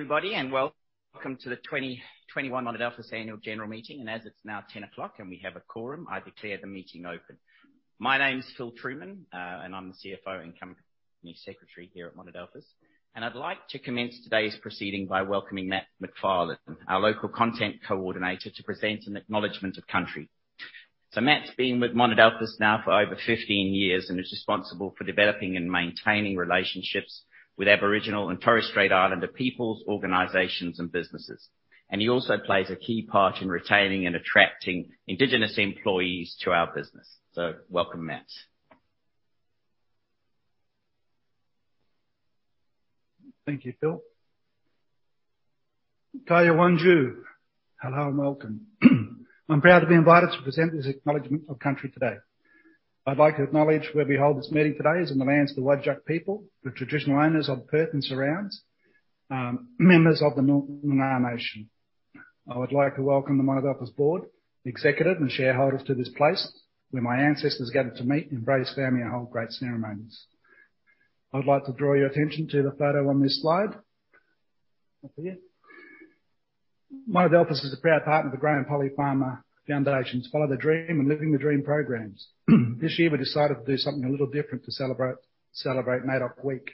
Everybody, welcome to the 2021 Monadelphous Annual General Meeting. As it's now 10:00 A.M. and we have a quorum, I declare the meeting open. My name's Phil Trueman, and I'm the CFO and Company Secretary here at Monadelphous. I'd like to commence today's proceeding by welcoming Matt Macfarlane, our local content coordinator, to present an acknowledgment of country. Matt's been with Monadelphous now for over 15 years and is responsible for developing and maintaining relationships with Aboriginal and Torres Strait Islander peoples, organizations, and businesses. He also plays a key part in retaining and attracting Indigenous employees to our business. Welcome, Matt. Thank you, Phil. Kaya wanju. Hello and welcome. I'm proud to be invited to present this acknowledgment of country today. I'd like to acknowledge where we hold this meeting today is on the lands of the Whadjuk people, the traditional owners of Perth and surrounds, members of the Noongar Nation. I would like to welcome the Monadelphous board, the executive, and shareholders to this place where my ancestors gathered to meet, embrace family, and hold great ceremonies. I'd like to draw your attention to the photo on this slide. Up here. Monadelphous is a proud partner of the Polly Farmer Foundation's Follow the Dream and Living the Dream programs. This year we decided to do something a little different to celebrate NAIDOC Week,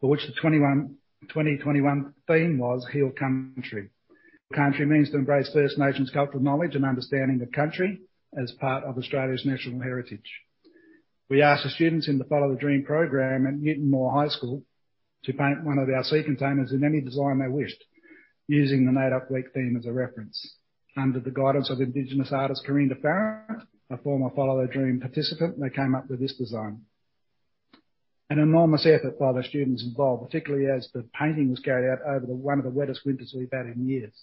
for which the 2021 theme was Heal Country. Heal Country means to embrace First Nations cultural knowledge and understanding the country as part of Australia's national heritage. We asked the students in the Follow the Dream program at Newton Moore Senior High School to paint one of our sea containers in any design they wished, using the NAIDOC Week theme as a reference. Under the guidance of Indigenous artist Karinda Farrant, a former Follow the Dream participant, they came up with this design. An enormous effort by the students involved, particularly as the painting was carried out over the one of the wettest winters we've had in years.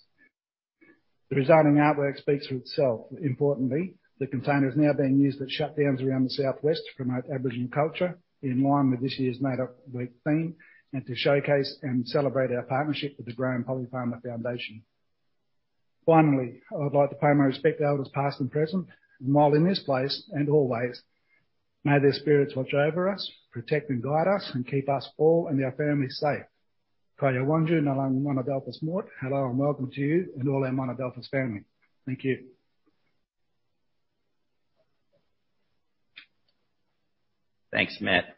The resulting artwork speaks for itself. Importantly, the container is now being used at shutdowns around the southwest to promote Aboriginal culture in line with this year's NAIDOC Week theme and to showcase and celebrate our partnership with the Polly Farmer Foundation. Finally, I would like to pay my respect to elders, past and present, and while in this place, and always, may their spirits watch over us, protect and guide us, and keep us all and their families safe. [Noongar language] Kaya wanju, ˈnalung Monadelphous moort. Hello and welcome to you and all our Monadelphous family. Thank you. Thanks, Matt.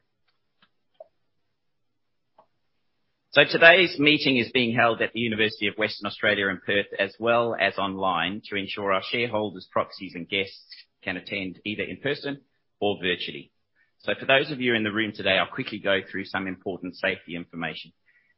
Today's meeting is being held at the University of Western Australia in Perth, as well as online, to ensure our shareholders, proxies, and guests can attend either in person or virtually. For those of you in the room today, I'll quickly go through some important safety information.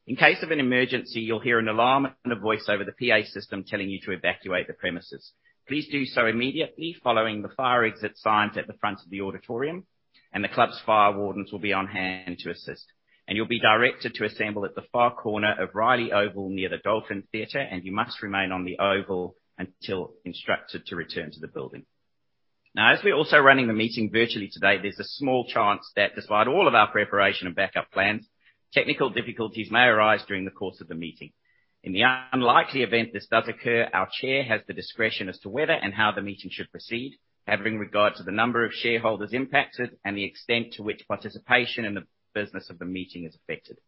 In case of an emergency, you'll hear an alarm and a voice over the PA system telling you to evacuate the premises. Please do so immediately following the fire exit signs at the front of the auditorium, and the club's fire wardens will be on hand to assist. You'll be directed to assemble at the far corner of Riley Oval near the Dolphin Theatre, and you must remain on the oval until instructed to return to the building. Now, as we're also running the meeting virtually today, there's a small chance that despite all of our preparation and backup plans, technical difficulties may arise during the course of the meeting. In the unlikely event this does occur, our chair has the discretion as to whether and how the meeting should proceed, having regard to the number of shareholders impacted and the extent to which participation in the business of the meeting is affected.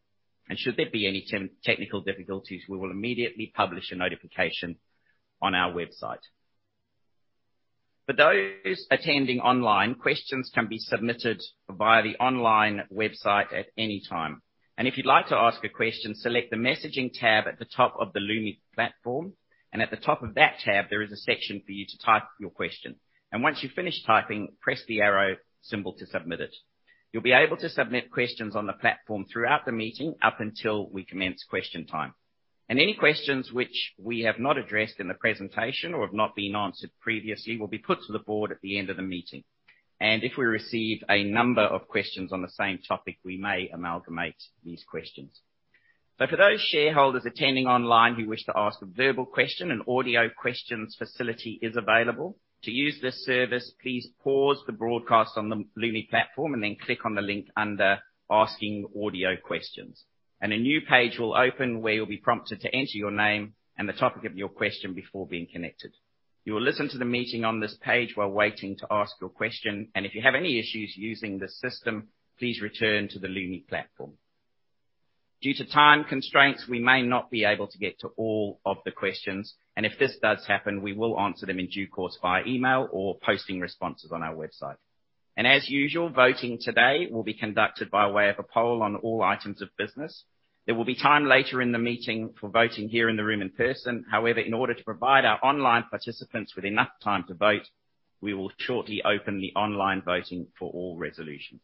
Should there be any technical difficulties, we will immediately publish a notification on our website. For those attending online, questions can be submitted via the online website at any time. If you'd like to ask a question, select the Messaging tab at the top of the Lumi platform, and at the top of that tab, there is a section for you to type your question. Once you've finished typing, press the arrow symbol to submit it. You'll be able to submit questions on the platform throughout the meeting, up until we commence question time. Any questions which we have not addressed in the presentation or have not been answered previously will be put to the board at the end of the meeting. If we receive a number of questions on the same topic, we may amalgamate these questions. For those shareholders attending online who wish to ask a verbal question, an audio questions facility is available. To use this service, please pause the broadcast on the Lumi platform and then click on the link under Asking Audio Questions. A new page will open where you'll be prompted to enter your name and the topic of your question before being connected. You will listen to the meeting on this page while waiting to ask your question, and if you have any issues using this system, please return to the Lumi platform. Due to time constraints, we may not be able to get to all of the questions, and if this does happen, we will answer them in due course via email or posting responses on our website. As usual, voting today will be conducted by way of a poll on all items of business. There will be time later in the meeting for voting here in the room in person. However, in order to provide our online participants with enough time to vote, we will shortly open the online voting for all resolutions.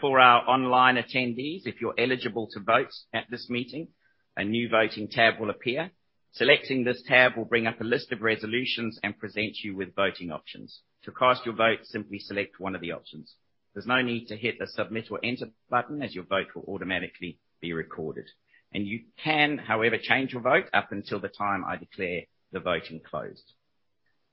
For our online attendees, if you're eligible to vote at this meeting, a new Voting tab will appear. Selecting this tab will bring up a list of resolutions and present you with voting options. To cast your vote, simply select one of the options. There's no need to hit the Submit or Enter button, as your vote will automatically be recorded. You can, however, change your vote up until the time I declare the voting closed.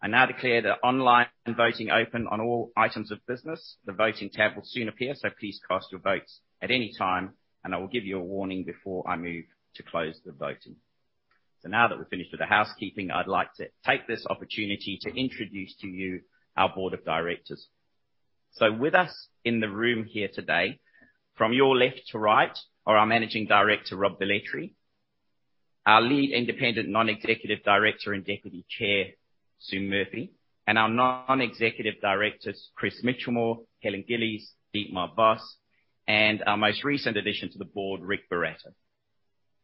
I now declare the online voting open on all items of business. The Voting tab will soon appear, so please cast your votes at any time, and I will give you a warning before I move to close the voting. Now that we're finished with the housekeeping, I'd like to take this opportunity to introduce to you our board of directors. With us in the room here today, from your left to right, are our Managing Director, Rob Velletri, our Lead Independent Non-Executive Director and Deputy Chair, Sue Murphy, and our Non-Executive Directors, Chris Michelmore, Helen Gillies, Dietmar Voss, and our most recent addition to the board, Ric Buratto.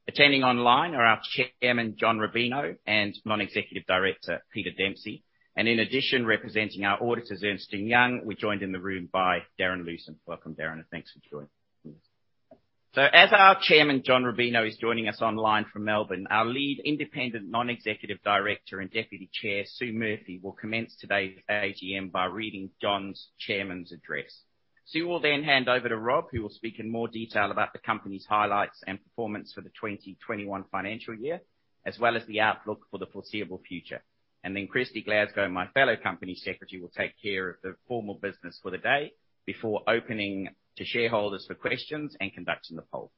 Attending online are our Chairman, John Rubino, and Non-Executive Director, Peter Dempsey. In addition, representing our auditors, Ernst & Young, we're joined in the room by Darren Lewsen. Welcome, Darren, and thanks for joining us. As our Chairman, John Rubino, is joining us online from Melbourne, our Lead Independent Non-Executive Director and Deputy Chair, Sue Murphy, will commence today's AGM by reading John's chairman's address. Sue will then hand over to Rob, who will speak in more detail about the company's highlights and performance for the 2021 financial year, as well as the outlook for the foreseeable future. Kristy Glasgow, my fellow company secretary, will take care of the formal business for the day before opening to shareholders for questions and conducting the poll.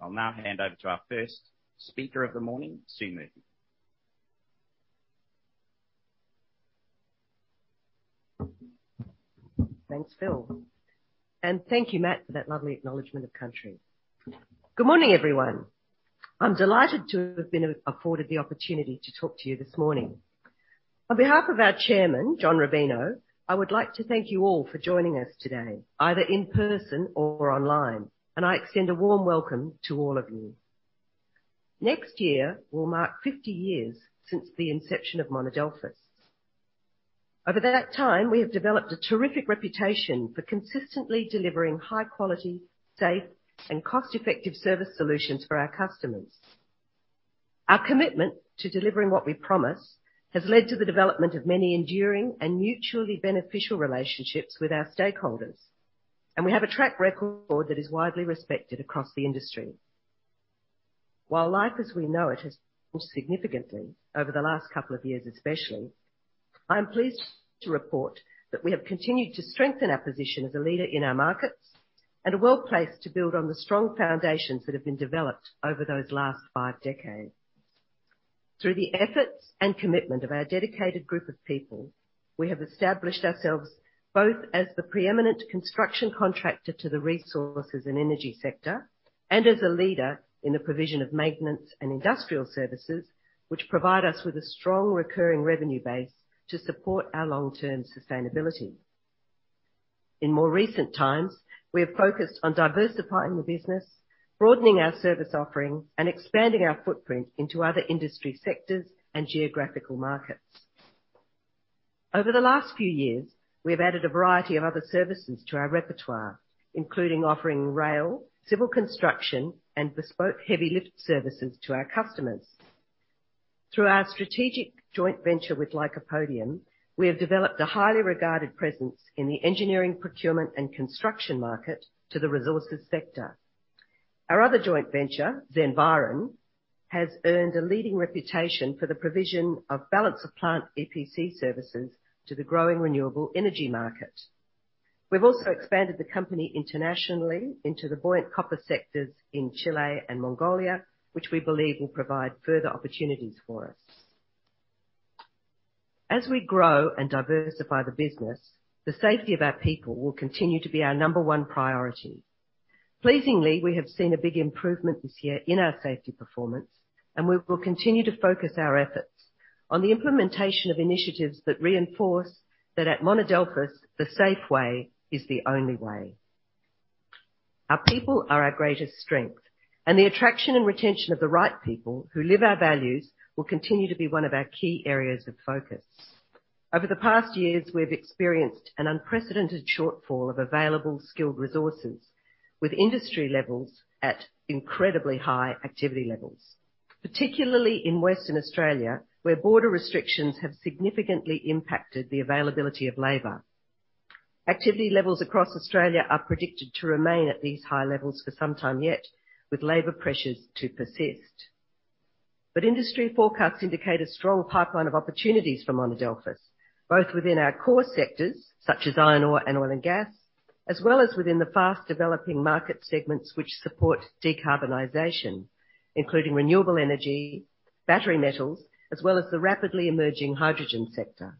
I'll now hand over to our first speaker of the morning, Sue Murphy. Thanks, Phil. Thank you, Matt, for that lovely acknowledgment of country. Good morning, everyone. I'm delighted to have been afforded the opportunity to talk to you this morning. On behalf of our Chairman, John Rubino, I would like to thank you all for joining us today, either in person or online. I extend a warm welcome to all of you. Next year will mark 50 years since the inception of Monadelphous. Over that time, we have developed a terrific reputation for consistently delivering high quality, safe, and cost-effective service solutions for our customers. Our commitment to delivering what we promise has led to the development of many enduring and mutually beneficial relationships with our stakeholders, and we have a track record that is widely respected across the industry. While life as we know it has changed significantly over the last couple of years, especially, I am pleased to report that we have continued to strengthen our position as a leader in our markets and are well-placed to build on the strong foundations that have been developed over those last five decades. Through the efforts and commitment of our dedicated group of people, we have established ourselves both as the preeminent construction contractor to the resources and energy sector and as a leader in the provision of maintenance and industrial services, which provide us with a strong recurring revenue base to support our long-term sustainability. In more recent times, we have focused on diversifying the business, broadening our service offering, and expanding our footprint into other industry sectors and geographical markets. Over the last few years, we have added a variety of other services to our repertoire, including offering rail, civil construction, and bespoke heavy lift services to our customers. Through our strategic joint venture with Lycopodium, we have developed a highly regarded presence in the engineering, procurement, and construction market to the resources sector. Our other joint venture, Zenviron, has earned a leading reputation for the provision of balance of plant EPC services to the growing renewable energy market. We've also expanded the company internationally into the buoyant copper sectors in Chile and Mongolia, which we believe will provide further opportunities for us. As we grow and diversify the business, the safety of our people will continue to be our number one priority. Pleasingly, we have seen a big improvement this year in our safety performance, and we will continue to focus our efforts on the implementation of initiatives that reinforce that at Monadelphous, the safe way is the only way. Our people are our greatest strength, and the attraction and retention of the right people who live our values will continue to be one of our key areas of focus. Over the past years, we've experienced an unprecedented shortfall of available skilled resources with industry levels at incredibly high activity levels, particularly in Western Australia, where border restrictions have significantly impacted the availability of labor. Activity levels across Australia are predicted to remain at these high levels for some time yet, with labor pressures to persist. Industry forecasts indicate a strong pipeline of opportunities for Monadelphous, both within our core sectors such as iron ore and oil and gas, as well as within the fast-developing market segments which support decarbonization, including renewable energy, battery metals, as well as the rapidly emerging hydrogen sector.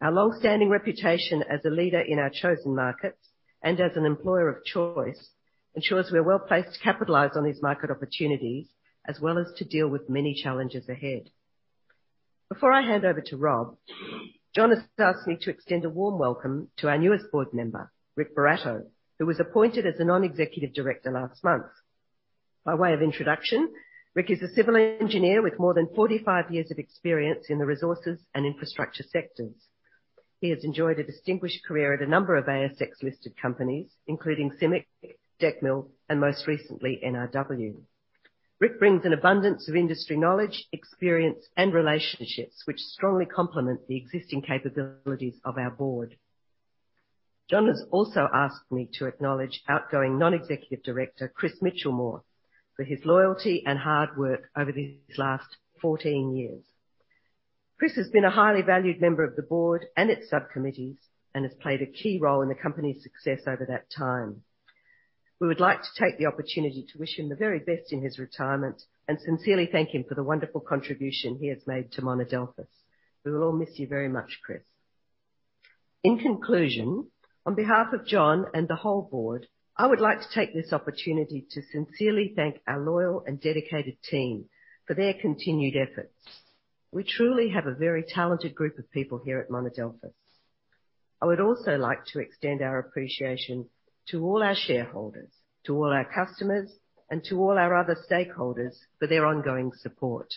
Our long-standing reputation as a leader in our chosen markets and as an employer of choice ensures we are well-placed to capitalize on these market opportunities as well as to deal with many challenges ahead. Before I hand over to Rob, John has asked me to extend a warm welcome to our newest board member, Ric Buratto, who was appointed as a Non-Executive Director last month. By way of introduction, Rick is a civil engineer with more than 45 years of experience in the resources and infrastructure sectors. He has enjoyed a distinguished career at a number of ASX-listed companies, including CIMIC, Decmil, and most recently, NRW. Ric brings an abundance of industry knowledge, experience, and relationships which strongly complement the existing capabilities of our board. John has also asked me to acknowledge outgoing Non-Executive Director, Chris Michelmore, for his loyalty and hard work over these last 14 years. Chris has been a highly valued member of the board and its subcommittees and has played a key role in the company's success over that time. We would like to take the opportunity to wish him the very best in his retirement and sincerely thank him for the wonderful contribution he has made to Monadelphous. We will all miss you very much, Chris. In conclusion, on behalf of John and the whole board, I would like to take this opportunity to sincerely thank our loyal and dedicated team for their continued efforts. We truly have a very talented group of people here at Monadelphous. I would also like to extend our appreciation to all our shareholders, to all our customers, and to all our other stakeholders for their ongoing support.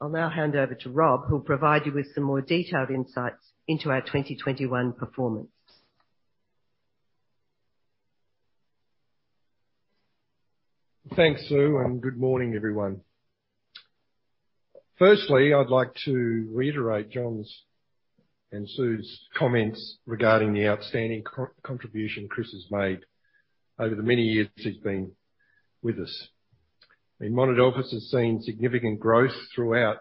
I'll now hand over to Rob, who'll provide you with some more detailed insights into our 2021 performance. Thanks, Sue, and good morning, everyone. Firstly, I'd like to reiterate John's and Sue's comments regarding the outstanding co-contribution Chris has made over the many years he's been with us. Monadelphous has seen significant growth throughout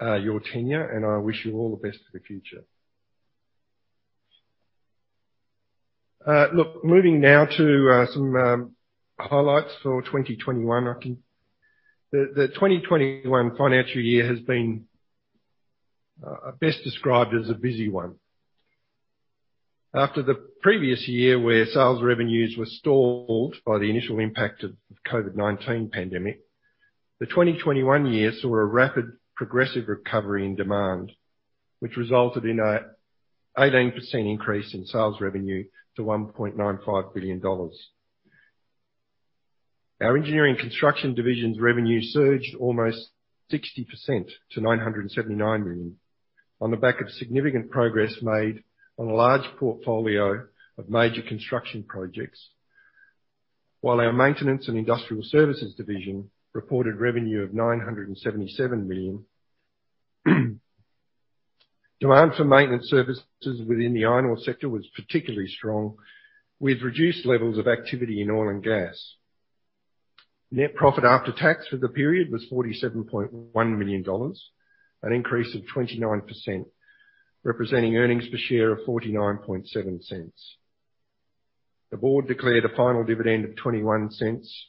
your tenure, and I wish you all the best for the future. Look, moving now to some highlights for 2021. The 2021 financial year has been best described as a busy one. After the previous year, where sales revenues were stalled by the initial impact of the COVID-19 pandemic, the 2021 year saw a rapid progressive recovery in demand, which resulted in an 18% increase in sales revenue to 1.95 billion dollars. Our engineering construction division's revenue surged almost 60% to 979 million on the back of significant progress made on a large portfolio of major construction projects. While our maintenance and industrial services division reported revenue of 977 million. Demand for maintenance services within the iron ore sector was particularly strong, with reduced levels of activity in oil and gas. Net profit after tax for the period was 47.1 million dollars, an increase of 29%, representing earnings per share of 0.497. The board declared a final dividend of 0.21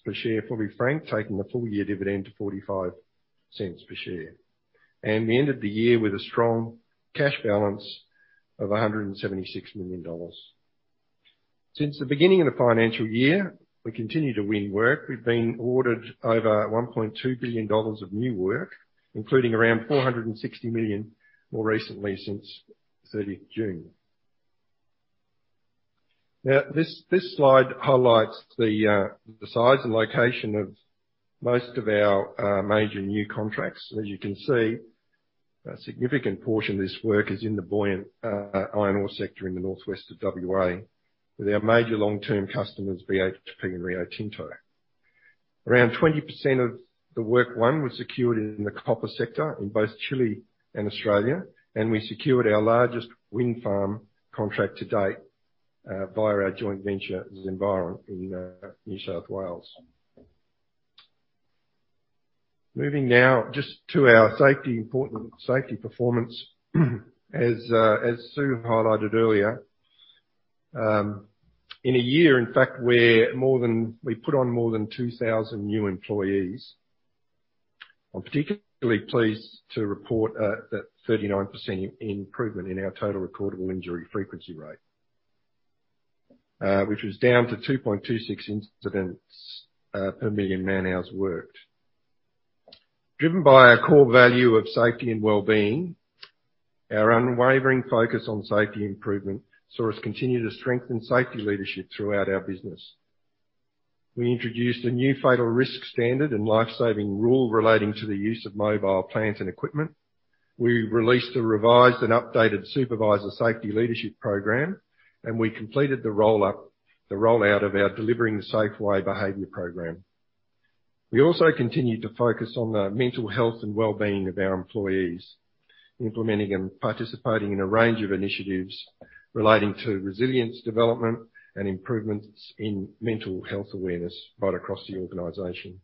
per share, fully franked, taking the full-year dividend to 0.45 per share. We ended the year with a strong cash balance of 176 million dollars. Since the beginning of the financial year, we continue to win work. We've been awarded over 1.2 billion dollars of new work, including around 460 million more recently since 30 June. This slide highlights the size and location of most of our major new contracts. As you can see, a significant portion of this work is in the buoyant iron ore sector in the northwest of WA, with our major long-term customers, BHP and Rio Tinto. Around 20% of the work won was secured in the copper sector in both Chile and Australia, and we secured our largest wind farm contract to date via our joint venture, Zenviron, in New South Wales. Moving now just to our safety, important safety performance. As Sue highlighted earlier, in a year, in fact, where more than 2,000 new employees. I'm particularly pleased to report a 39% improvement in our total recordable injury frequency rate, which was down to 2.26 incidents per million man-hours worked. Driven by our core value of safety and well-being, our unwavering focus on safety improvement saw us continue to strengthen safety leadership throughout our business. We introduced a new fatal risk standard and life-saving rule relating to the use of mobile plants and equipment. We released a revised and updated Supervisor Safety Leadership program, and we completed the rollout of our Delivering the Safe Way behavior program. We also continued to focus on the mental health and well-being of our employees, implementing and participating in a range of initiatives relating to resilience development and improvements in mental health awareness right across the organization.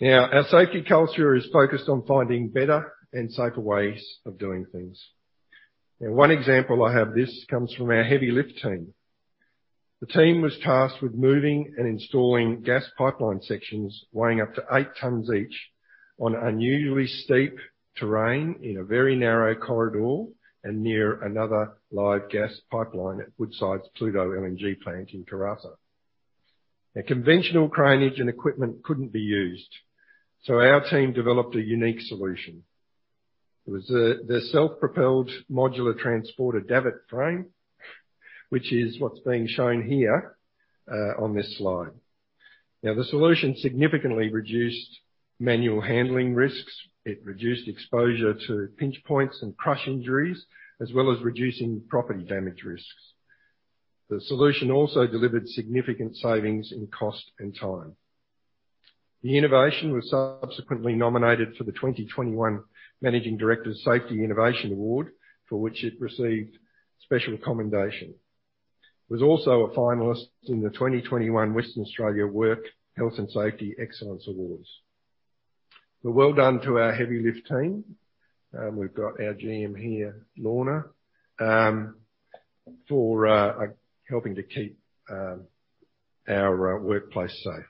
Our safety culture is focused on finding better and safer ways of doing things. One example comes from our heavy lift team. The team was tasked with moving and installing gas pipeline sections weighing up to 8 tons each on unusually steep terrain in a very narrow corridor and near another live gas pipeline at Woodside's Pluto LNG plant in Karratha. A conventional cranage and equipment couldn't be used, so our team developed a unique solution. It was the self-propelled modular transporter davit frame, which is what's being shown here on this slide. The solution significantly reduced manual handling risks. It reduced exposure to pinch points and crush injuries, as well as reducing property damage risks. The solution also delivered significant savings in cost and time. The innovation was subsequently nominated for the 2021 Managing Director's Safety Innovation Award, for which it received special commendation. It was also a finalist in the 2021 Western Australia Work Health and Safety Excellence Awards. Well done to our heavy lift team. We've got our GM here, Lorna, for helping to keep our workplace safe.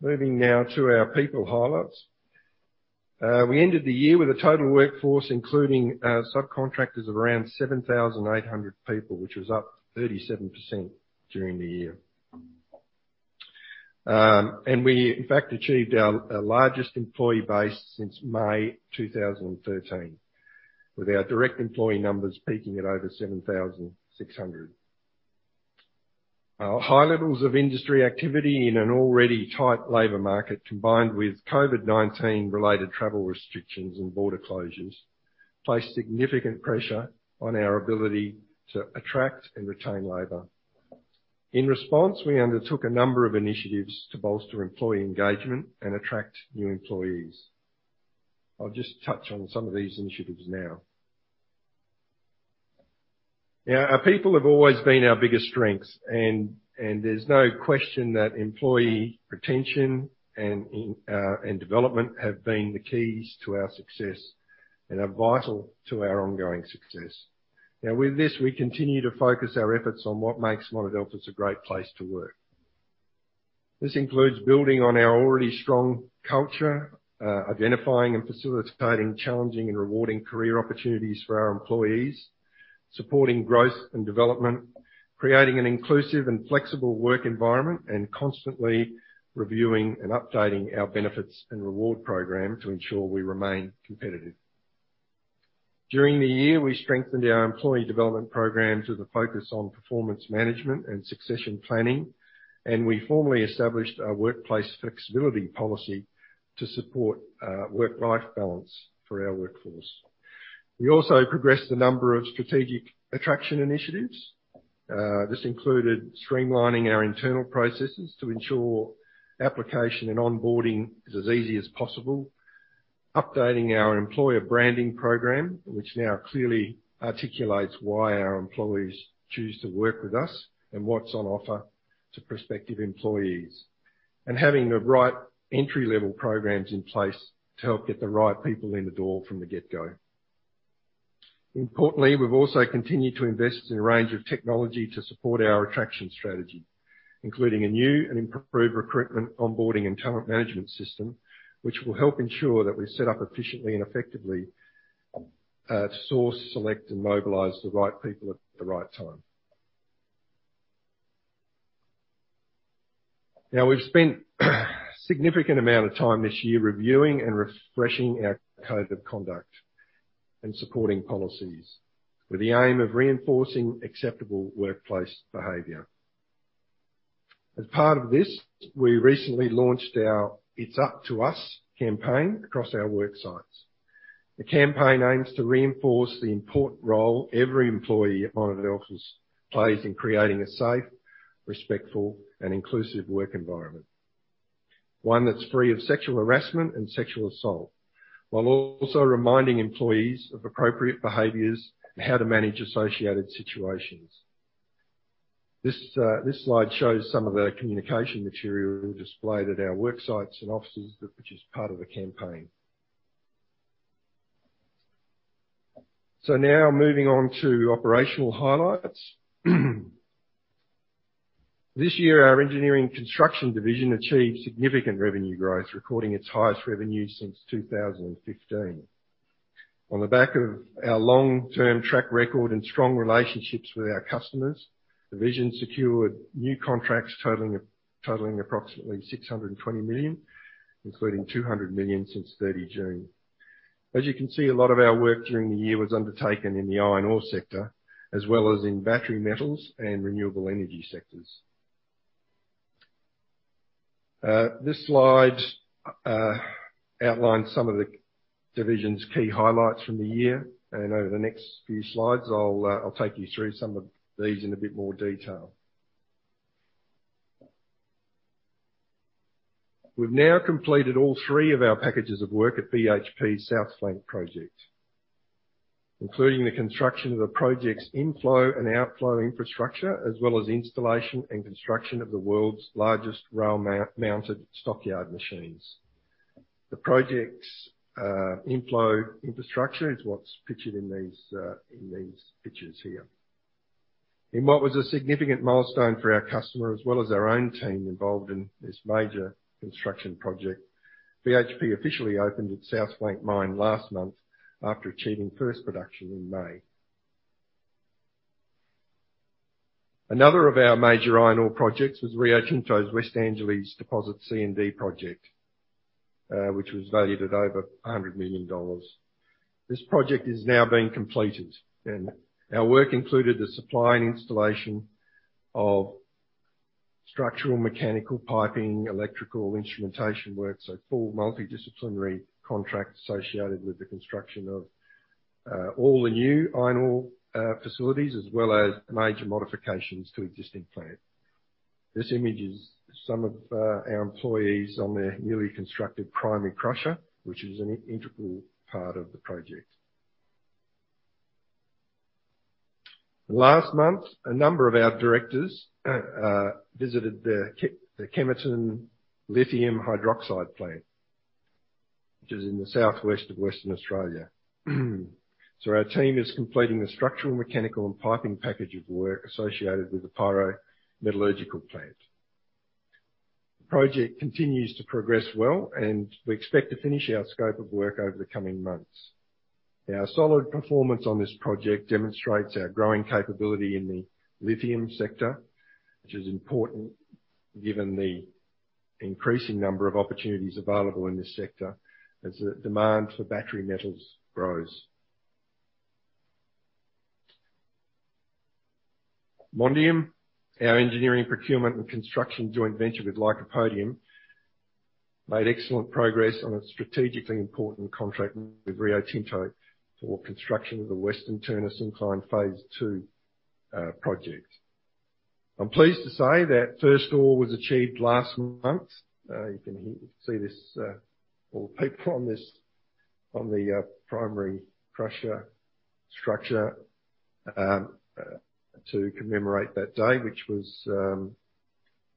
Moving now to our people highlights. We ended the year with a total workforce, including subcontractors, of around 7,800 people, which was up 37% during the year. We in fact achieved our largest employee base since May 2013, with our direct employee numbers peaking at over 7,600. Our high levels of industry activity in an already tight labor market, combined with COVID-19 related travel restrictions and border closures, placed significant pressure on our ability to attract and retain labor. In response, we undertook a number of initiatives to bolster employee engagement and attract new employees. I'll just touch on some of these initiatives now. Our people have always been our biggest strengths and there's no question that employee retention and development have been the keys to our success and are vital to our ongoing success. Now with this, we continue to focus our efforts on what makes Monadelphous a great place to work. This includes building on our already strong culture, identifying and facilitating challenging and rewarding career opportunities for our employees, supporting growth and development, creating an inclusive and flexible work environment, and constantly reviewing and updating our benefits and reward program to ensure we remain competitive. During the year, we strengthened our employee development program to focus on performance management and succession planning, and we formally established our workplace flexibility policy to support work-life balance for our workforce. We also progressed a number of strategic attraction initiatives. This included streamlining our internal processes to ensure application and onboarding is as easy as possible, updating our employer branding program, which now clearly articulates why our employees choose to work with us and what's on offer to prospective employees, and having the right entry-level programs in place to help get the right people in the door from the get-go. Importantly, we've also continued to invest in a range of technology to support our attraction strategy, including a new and improved recruitment, onboarding and talent management system, which will help ensure that we're set up efficiently and effectively to source, select and mobilize the right people at the right time. Now, we've spent a significant amount of time this year reviewing and refreshing our code of conduct and supporting policies with the aim of reinforcing acceptable workplace behavior. As part of this, we recently launched our It's Up to Us campaign across our work sites. The campaign aims to reinforce the important role every employee at Monadelphous plays in creating a safe, respectful and inclusive work environment. One that's free of sexual harassment and sexual assault, while also reminding employees of appropriate behaviors and how to manage associated situations. This slide shows some of the communication material displayed at our work sites and offices, which is part of the campaign. Now moving on to operational highlights. This year, our Engineering Construction division achieved significant revenue growth, recording its highest revenue since 2015. On the back of our long-term track record and strong relationships with our customers, the division secured new contracts totaling approximately 620 million, including 200 million since 30 June. As you can see, a lot of our work during the year was undertaken in the iron ore sector, as well as in battery metals and renewable energy sectors. This slide outlines some of the division's key highlights from the year, and over the next few slides, I'll take you through some of these in a bit more detail. We've now completed all three of our packages of work at BHP South Flank project, including the construction of the project's inflow and outflow infrastructure, as well as installation and construction of the world's largest rail-mounted stockyard machines. The project's inflow infrastructure is what's pictured in these pictures here. In what was a significant milestone for our customer, as well as our own team involved in this major construction project, BHP officially opened its South Flank mine last month after achieving first production in May. Another of our major iron ore projects was Rio Tinto's West Angelas Deposits C and D project, which was valued at over 100 million dollars. This project is now being completed, and our work included the supply and installation of structural, mechanical, piping, electrical, instrumentation work, so full multidisciplinary contract associated with the construction of all the new iron ore facilities, as well as major modifications to existing plant. This image is some of our employees on their newly constructed primary crusher, which is an integral part of the project. Last month, a number of our directors visited the Kemerton lithium hydroxide plant, which is in the southwest of Western Australia. Our team is completing the structural, mechanical, and piping package of work associated with the pyrometallurgical plant. The project continues to progress well, and we expect to finish our scope of work over the coming months. Our solid performance on this project demonstrates our growing capability in the lithium sector, which is important given the increasing number of opportunities available in this sector as the demand for battery metals grows. Mondium, our engineering procurement and construction joint venture with Lycopodium, made excellent progress on a strategically important contract with Rio Tinto for construction of the Western Turner Syncline Phase 2 project. I'm pleased to say that first ore was achieved last month. You can see this little people on this, on the primary crusher structure to commemorate that day, which was,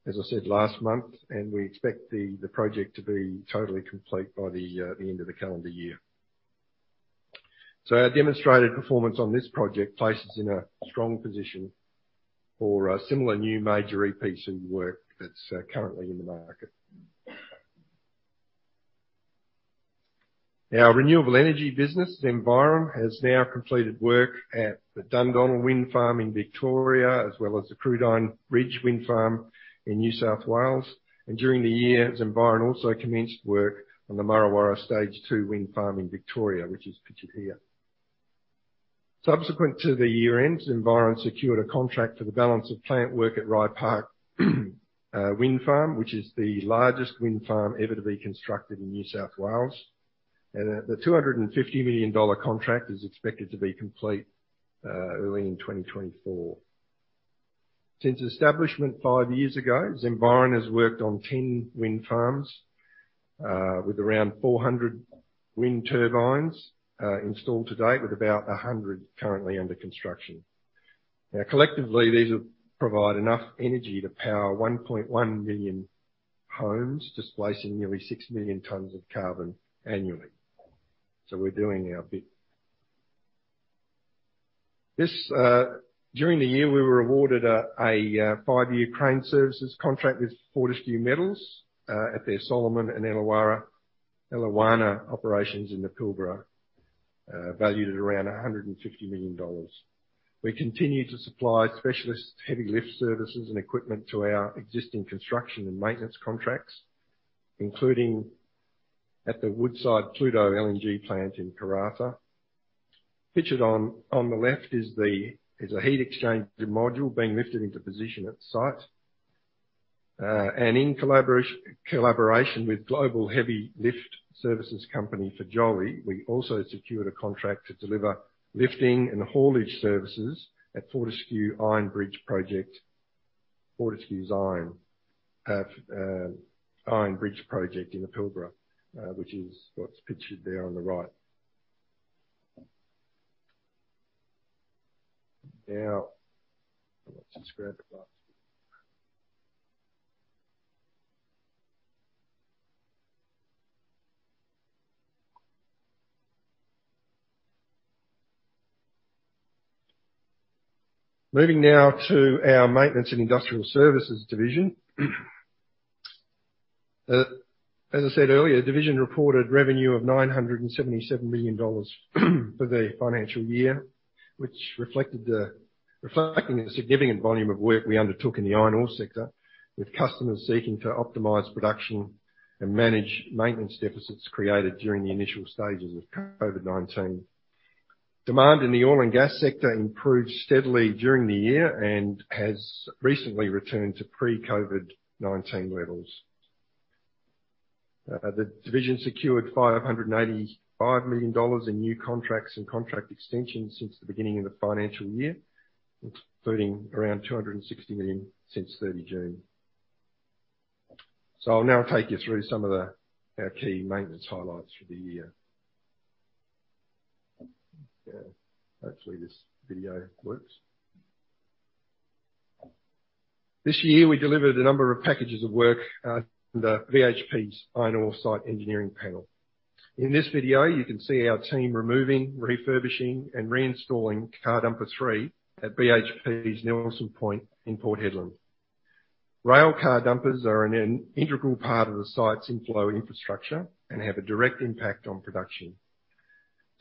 as I said, last month. We expect the project to be totally complete by the end of the calendar year. Our demonstrated performance on this project places us in a strong position for similar new major EPC work that's currently in the market. Our renewable energy business, Zenviron, has now completed work at the Dundonnell Wind Farm in Victoria, as well as the Crudine Ridge Wind Farm in New South Wales. During the year, Zenviron also commenced work on the Murra Warra Stage Two Wind Farm in Victoria, which is pictured here. Subsequent to the year-end, Zenviron secured a contract for the balance of plant work at Rye Park Wind Farm, which is the largest wind farm ever to be constructed in New South Wales. The 250 million dollar contract is expected to be complete early in 2024. Since establishment 5 years ago, Zenviron has worked on 10 wind farms with around 400 wind turbines installed to date, with about 100 currently under construction. Now, collectively, these will provide enough energy to power 1.1 million homes, displacing nearly 6 million tons of carbon annually. We're doing our bit. This during the year, we were awarded a 5-year crane services contract with Fortescue Metals at their Solomon and Eliwana operations in the Pilbara, valued at around 150 million dollars. We continue to supply specialist heavy lift services and equipment to our existing construction and maintenance contracts, including at the Woodside Pluto LNG plant in Karratha. Pictured on the left is a heat exchange module being lifted into position at site. In collaboration with global heavy lift services company, Fagioli, we also secured a contract to deliver lifting and haulage services at Fortescue Iron Bridge Project. Fortescue's Iron Bridge project in the Pilbara, which is what's pictured there on the right. Now, I want to just grab the mouse. Moving now to our Maintenance and Industrial Services division. As I said earlier, division reported revenue of 977 million dollars for the financial year, which reflected the significant volume of work we undertook in the iron ore sector with customers seeking to optimize production and manage maintenance deficits created during the initial stages of COVID-19. Demand in the oil and gas sector improved steadily during the year and has recently returned to pre-COVID-19 levels. The division secured 585 million dollars in new contracts and contract extensions since the beginning of the financial year, including around 260 million since 30 June. I'll now take you through some of our key maintenance highlights for the year. Hopefully this video works. This year we delivered a number of packages of work under BHP's iron ore site engineering panel. In this video, you can see our team removing, refurbishing, and reinstalling car dumper 3 at BHP's Nelson Point in Port Hedland. Rail car dumpers are an integral part of the site's inflow infrastructure and have a direct impact on production.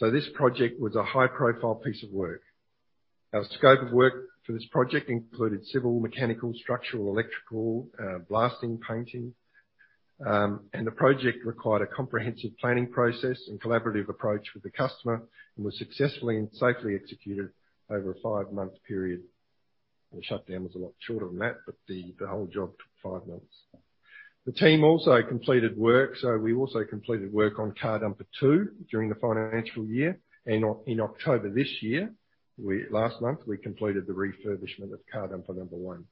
This project was a high-profile piece of work. Our scope of work for this project included civil, mechanical, structural, electrical, blasting, painting. The project required a comprehensive planning process and collaborative approach with the customer and was successfully and safely executed over a 5-month period. The shutdown was a lot shorter than that, but the whole job took 5 months. The team also completed work, so we also completed work on car dumper 2 during the financial year. In October this year, last month, we completed the refurbishment of car dumper number 1.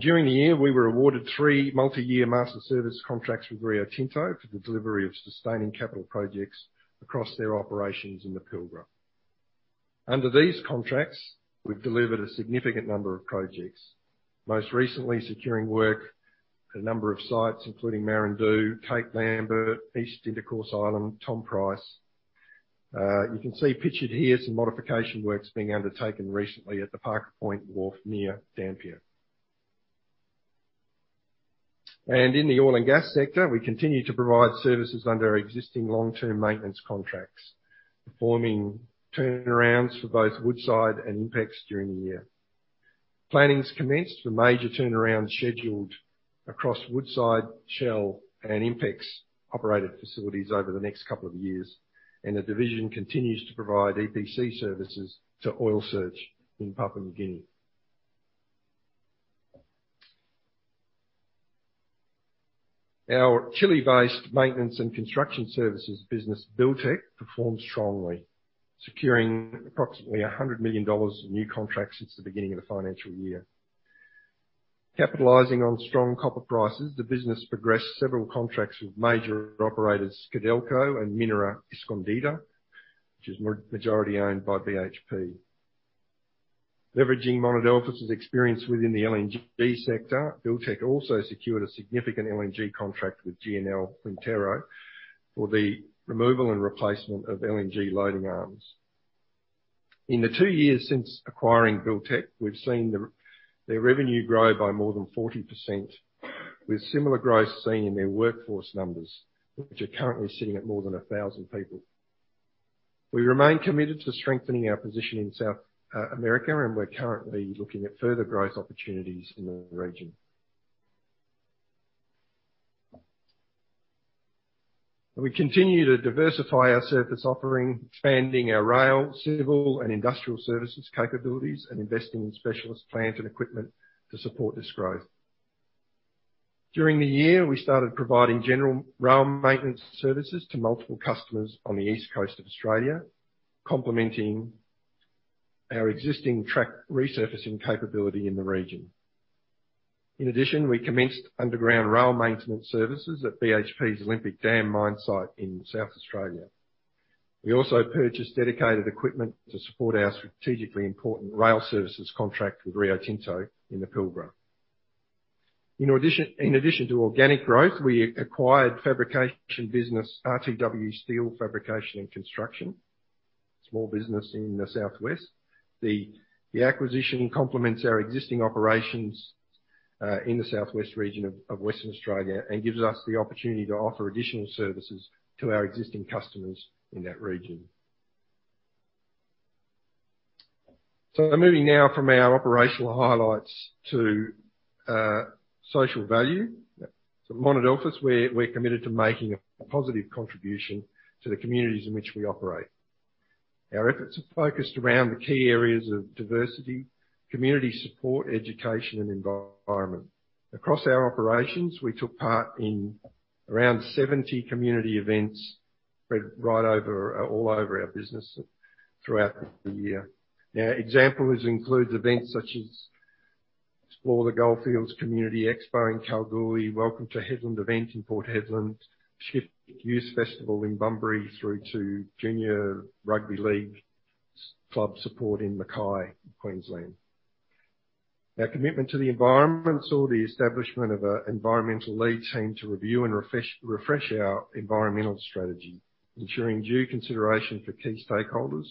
During the year, we were awarded 3 multi-year master service contracts with Rio Tinto for the delivery of sustaining capital projects across their operations in the Pilbara. Under these contracts, we've delivered a significant number of projects, most recently securing work at a number of sites, including Marandoo, Cape Lambert, East Intercourse Island, Tom Price. You can see pictured here some modification works being undertaken recently at the Parker Point Wharf near Dampier. In the oil and gas sector, we continue to provide services under our existing long-term maintenance contracts, performing turnarounds for both Woodside and INPEX during the year. Planning's commenced for major turnarounds scheduled across Woodside, Shell, and INPEX-operated facilities over the next couple of years, and the division continues to provide EPC services to Oil Search in Papua New Guinea. Our Chile-based maintenance and construction services business, Buildtek, performed strongly, securing approximately 100 million dollars in new contracts since the beginning of the financial year. Capitalizing on strong copper prices, the business progressed several contracts with major operators Codelco and Minera Escondida, which is majority owned by BHP. Leveraging Monadelphous' experience within the LNG sector, Buildtek also secured a significant LNG contract with GNL Quintero for the removal and replacement of LNG loading arms. In the 2 years since acquiring Buildtek, we've seen their revenue grow by more than 40%, with similar growth seen in their workforce numbers, which are currently sitting at more than 1,000 people. We remain committed to strengthening our position in South America, and we're currently looking at further growth opportunities in the region. We continue to diversify our service offering, expanding our rail, civil, and industrial services capabilities and investing in specialist plant and equipment to support this growth. During the year, we started providing general rail maintenance services to multiple customers on the east coast of Australia, complementing our existing track resurfacing capability in the region. In addition, we commenced underground rail maintenance services at BHP's Olympic Dam mine site in South Australia. We also purchased dedicated equipment to support our strategically important rail services contract with Rio Tinto in the Pilbara. In addition to organic growth, we acquired fabrication business RTW Steel Fabrication and Construction, a small business in the south-west. The acquisition complements our existing operations in the south-west region of Western Australia and gives us the opportunity to offer additional services to our existing customers in that region. Moving now from our operational highlights to social value. At Monadelphous, we're committed to making a positive contribution to the communities in which we operate. Our efforts are focused around the key areas of diversity, community support, education, and environment. Across our operations, we took part in around 70 community events spread all over our business throughout the year. Now examples include events such as Explore the Goldfields Community Expo in Kalgoorlie, Welcome to Hedland event in Port Hedland, Shift Youth Festival in Bunbury, through to junior rugby league s-club support in Mackay, Queensland. Our commitment to the environment saw the establishment of a environmental lead team to review and refresh our environmental strategy, ensuring due consideration for key stakeholders,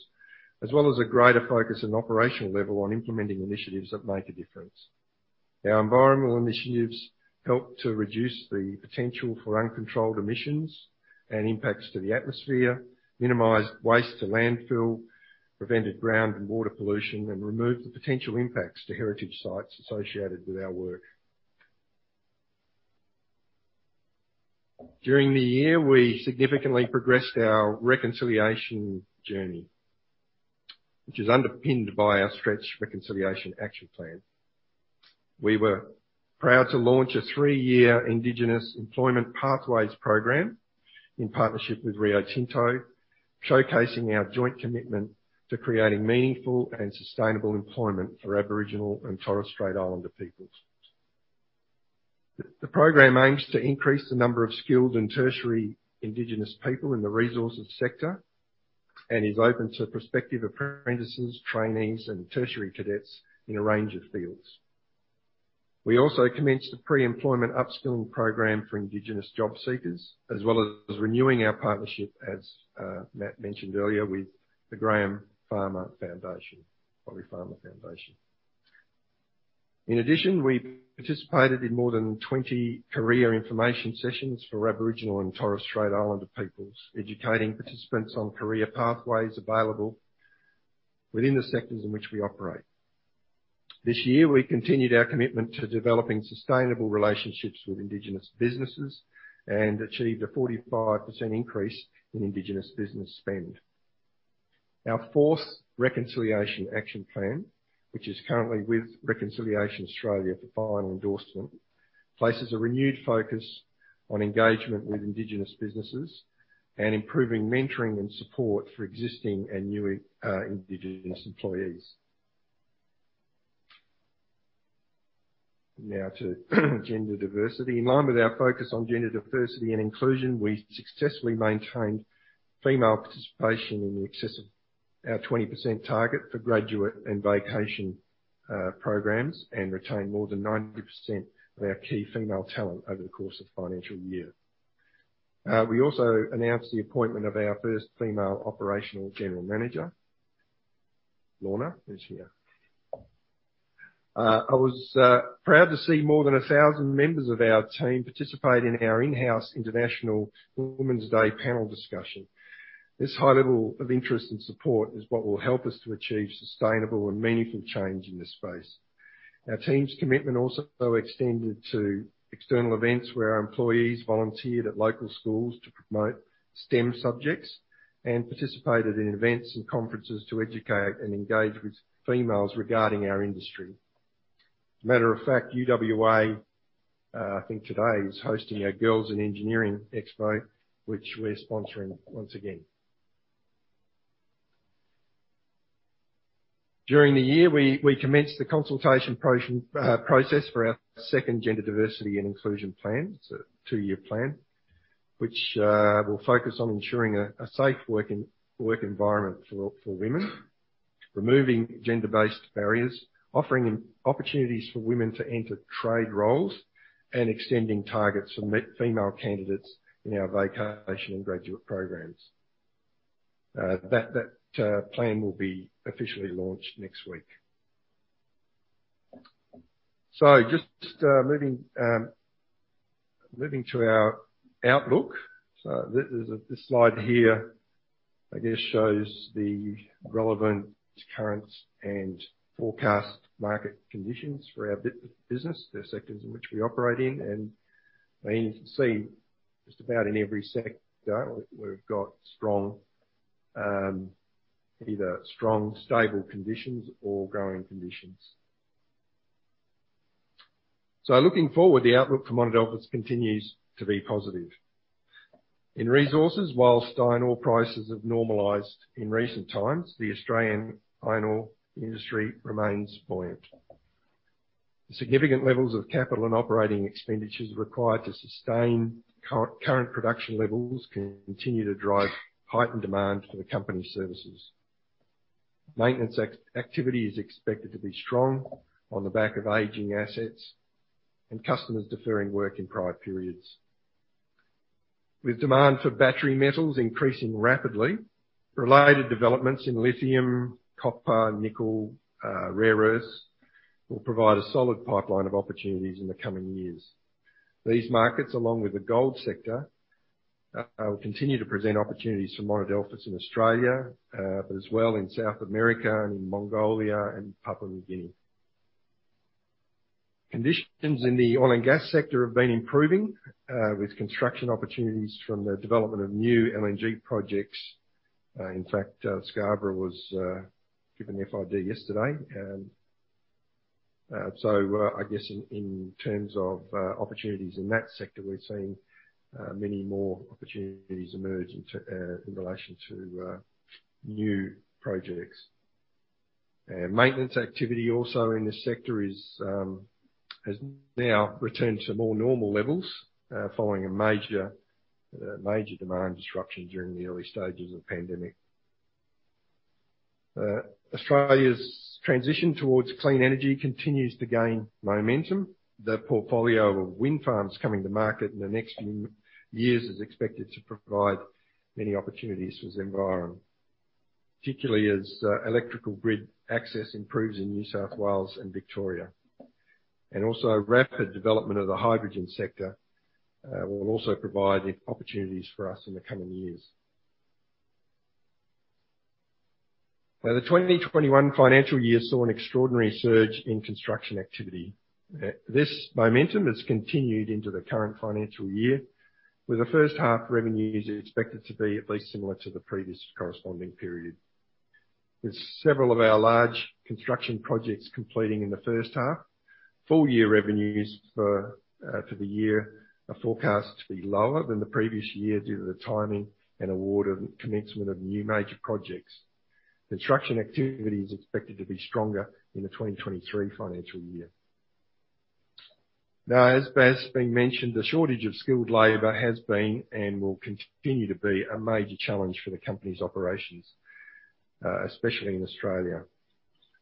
as well as a greater focus and operational level on implementing initiatives that make a difference. Our environmental initiatives help to reduce the potential for uncontrolled emissions and impacts to the atmosphere, minimized waste to landfill, prevented ground and water pollution, and removed the potential impacts to heritage sites associated with our work. During the year, we significantly progressed our reconciliation journey, which is underpinned by our Stretch Reconciliation Action Plan. We were proud to launch a 3-year Indigenous Employment Pathways program in partnership with Rio Tinto, showcasing our joint commitment to creating meaningful and sustainable employment for Aboriginal and Torres Strait Islander peoples. The program aims to increase the number of skilled and tertiary Indigenous people in the resources sector and is open to prospective apprentices, trainees, and tertiary cadets in a range of fields. We also commenced a pre-employment upskilling program for Indigenous job seekers, as well as renewing our partnership, Matt mentioned earlier, with the Polly Farmer Foundation. In addition, we participated in more than 20 career information sessions for Aboriginal and Torres Strait Islander peoples, educating participants on career pathways available within the sectors in which we operate. This year, we continued our commitment to developing sustainable relationships with Indigenous businesses and achieved a 45% increase in Indigenous business spend. Our fourth Reconciliation Action Plan, which is currently with Reconciliation Australia for final endorsement, places a renewed focus on engagement with Indigenous businesses and improving mentoring and support for existing and new Indigenous employees. Now to gender diversity. In line with our focus on gender diversity and inclusion, we successfully maintained female participation in excess of our 20% target for graduate and vacation programs, and retained more than 90% of our key female talent over the course of the financial year. We also announced the appointment of our first female operational general manager. Lorna is here. I was proud to see more than 1,000 members of our team participate in our in-house International Women's Day panel discussion. This high level of interest and support is what will help us to achieve sustainable and meaningful change in this space. Our team's commitment also extended to external events, where our employees volunteered at local schools to promote STEM subjects and participated in events and conferences to educate and engage with females regarding our industry. Matter of fact, UWA, I think today is hosting a Girls in Engineering Expo, which we're sponsoring once again. During the year, we commenced the consultation process for our second gender diversity and inclusion plan. It's a 2-year plan which will focus on ensuring a safe work environment for women, removing gender-based barriers, offering opportunities for women to enter trade roles, and extending targets for female candidates in our vacation and graduate programs. That plan will be officially launched next week. Just moving to our outlook. There's a... This slide here, shows the relevant current and forecast market conditions for our business, the sectors in which we operate in. You can see just about in every sector, we've got strong, either strong stable conditions or growing conditions. Looking forward, the outlook for Monadelphous continues to be positive. In resources, while iron ore prices have normalized in recent times, the Australian iron ore industry remains buoyant. Significant levels of capital and operating expenditures required to sustain current production levels continue to drive heightened demand for the company's services. Maintenance activity is expected to be strong on the back of aging assets and customers deferring work in prior periods. With demand for battery metals increasing rapidly, related developments in lithium, copper, nickel, rare earths will provide a solid pipeline of opportunities in the coming years. These markets, along with the gold sector, will continue to present opportunities for Monadelphous in Australia, but as well in South America and in Mongolia and Papua New Guinea. Conditions in the oil and gas sector have been improving, with construction opportunities from the development of new LNG projects. In fact, Scarborough was given FID yesterday. In terms of opportunities in that sector, we're seeing many more opportunities emerge in relation to new projects. Maintenance activity also in this sector has now returned to more normal levels, following a major demand disruption during the early stages of the pandemic. Australia's transition towards clean energy continues to gain momentum. The portfolio of wind farms coming to market in the next few years is expected to provide many opportunities for Zenviron, particularly as electrical grid access improves in New South Wales and Victoria. Also rapid development of the hydrogen sector will also provide opportunities for us in the coming years. Now, the 2021 financial year saw an extraordinary surge in construction activity. This momentum has continued into the current financial year, with the first-half revenues expected to be at least similar to the previous corresponding period. With several of our large construction projects completing in the first half, full year revenues for the year are forecast to be lower than the previous year due to the timing and award of commencement of new major projects. Construction activity is expected to be stronger in the 2023 financial year. Now, as Sue mentioned, the shortage of skilled labor has been and will continue to be a major challenge for the company's operations, especially in Australia.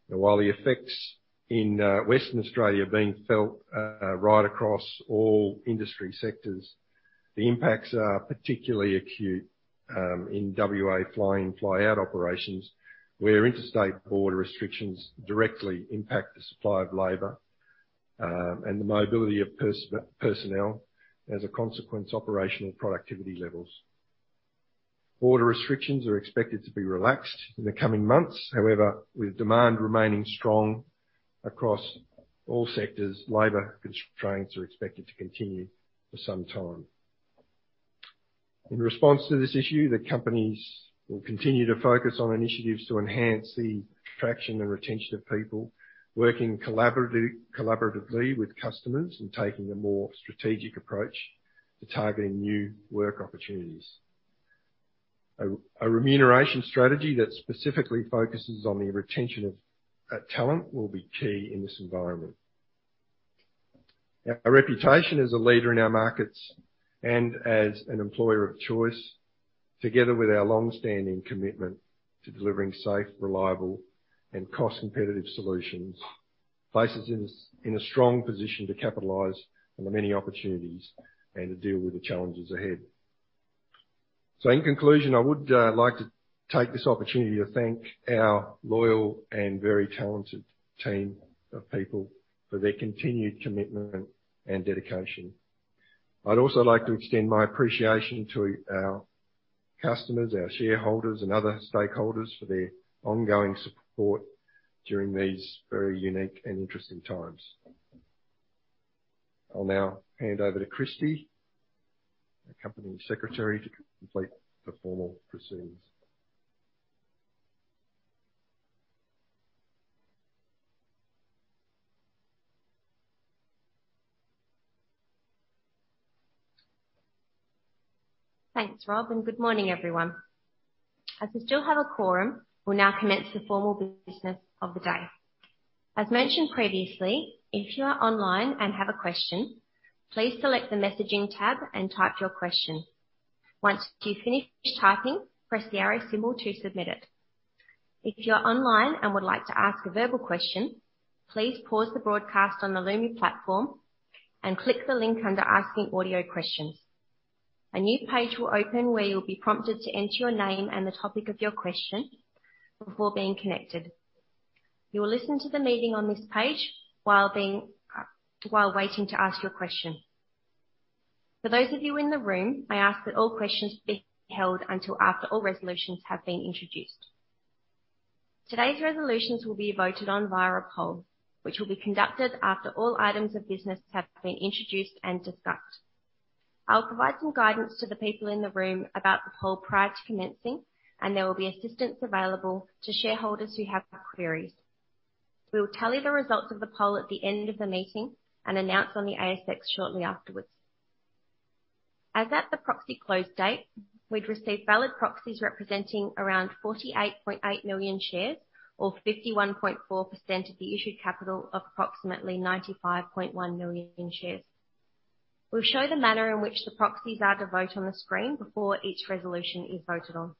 While the effects in Western Australia are being felt right across all industry sectors, the impacts are particularly acute in WA fly-in, fly-out operations, where interstate border restrictions directly impact the supply of labor and the mobility of personnel, as a consequence, operational productivity levels. Border restrictions are expected to be relaxed in the coming months. However, with demand remaining strong across all sectors, labor constraints are expected to continue for some time. In response to this issue, the companies will continue to focus on initiatives to enhance the attraction and retention of people working collaboratively with customers and taking a more strategic approach to targeting new work opportunities. A remuneration strategy that specifically focuses on the retention of talent will be key in this environment. Our reputation as a leader in our markets and as an employer of choice, together with our long-standing commitment to delivering safe, reliable, and cost-competitive solutions, places us in a strong position to capitalize on the many opportunities and to deal with the challenges ahead. In conclusion, I would like to take this opportunity to thank our loyal and very talented team of people for their continued commitment and dedication. I'd also like to extend my appreciation to our customers, our shareholders and other stakeholders for their ongoing support during these very unique and interesting times. I'll now hand over to Kristy Glasgow, the Company Secretary, to complete the formal proceedings. Thanks, Rob, and good morning, everyone. As we still have a quorum, we'll now commence the formal business of the day. As mentioned previously, if you are online and have a question, please select the Messaging tab and type your question. Once you've finished typing, press the arrow symbol to submit it. If you're online and would like to ask a verbal question, please pause the broadcast on the Lumi platform and click the link under Asking Audio Questions. A new page will open where you'll be prompted to enter your name and the topic of your question before being connected. You will listen to the meeting on this page while waiting to ask your question. For those of you in the room, I ask that all questions be held until after all resolutions have been introduced. Today's resolutions will be voted on via a poll, which will be conducted after all items of business have been introduced and discussed. I'll provide some guidance to the people in the room about the poll prior to commencing, and there will be assistance available to shareholders who have queries. We will tally the results of the poll at the end of the meeting and announce on the ASX shortly afterwards. As at the proxy close date, we'd received valid proxies representing around 48.8 million shares or 51.4% of the issued capital of approximately 95.1 million shares. We'll show the manner in which the proxies are to vote on the screen before each resolution is voted on.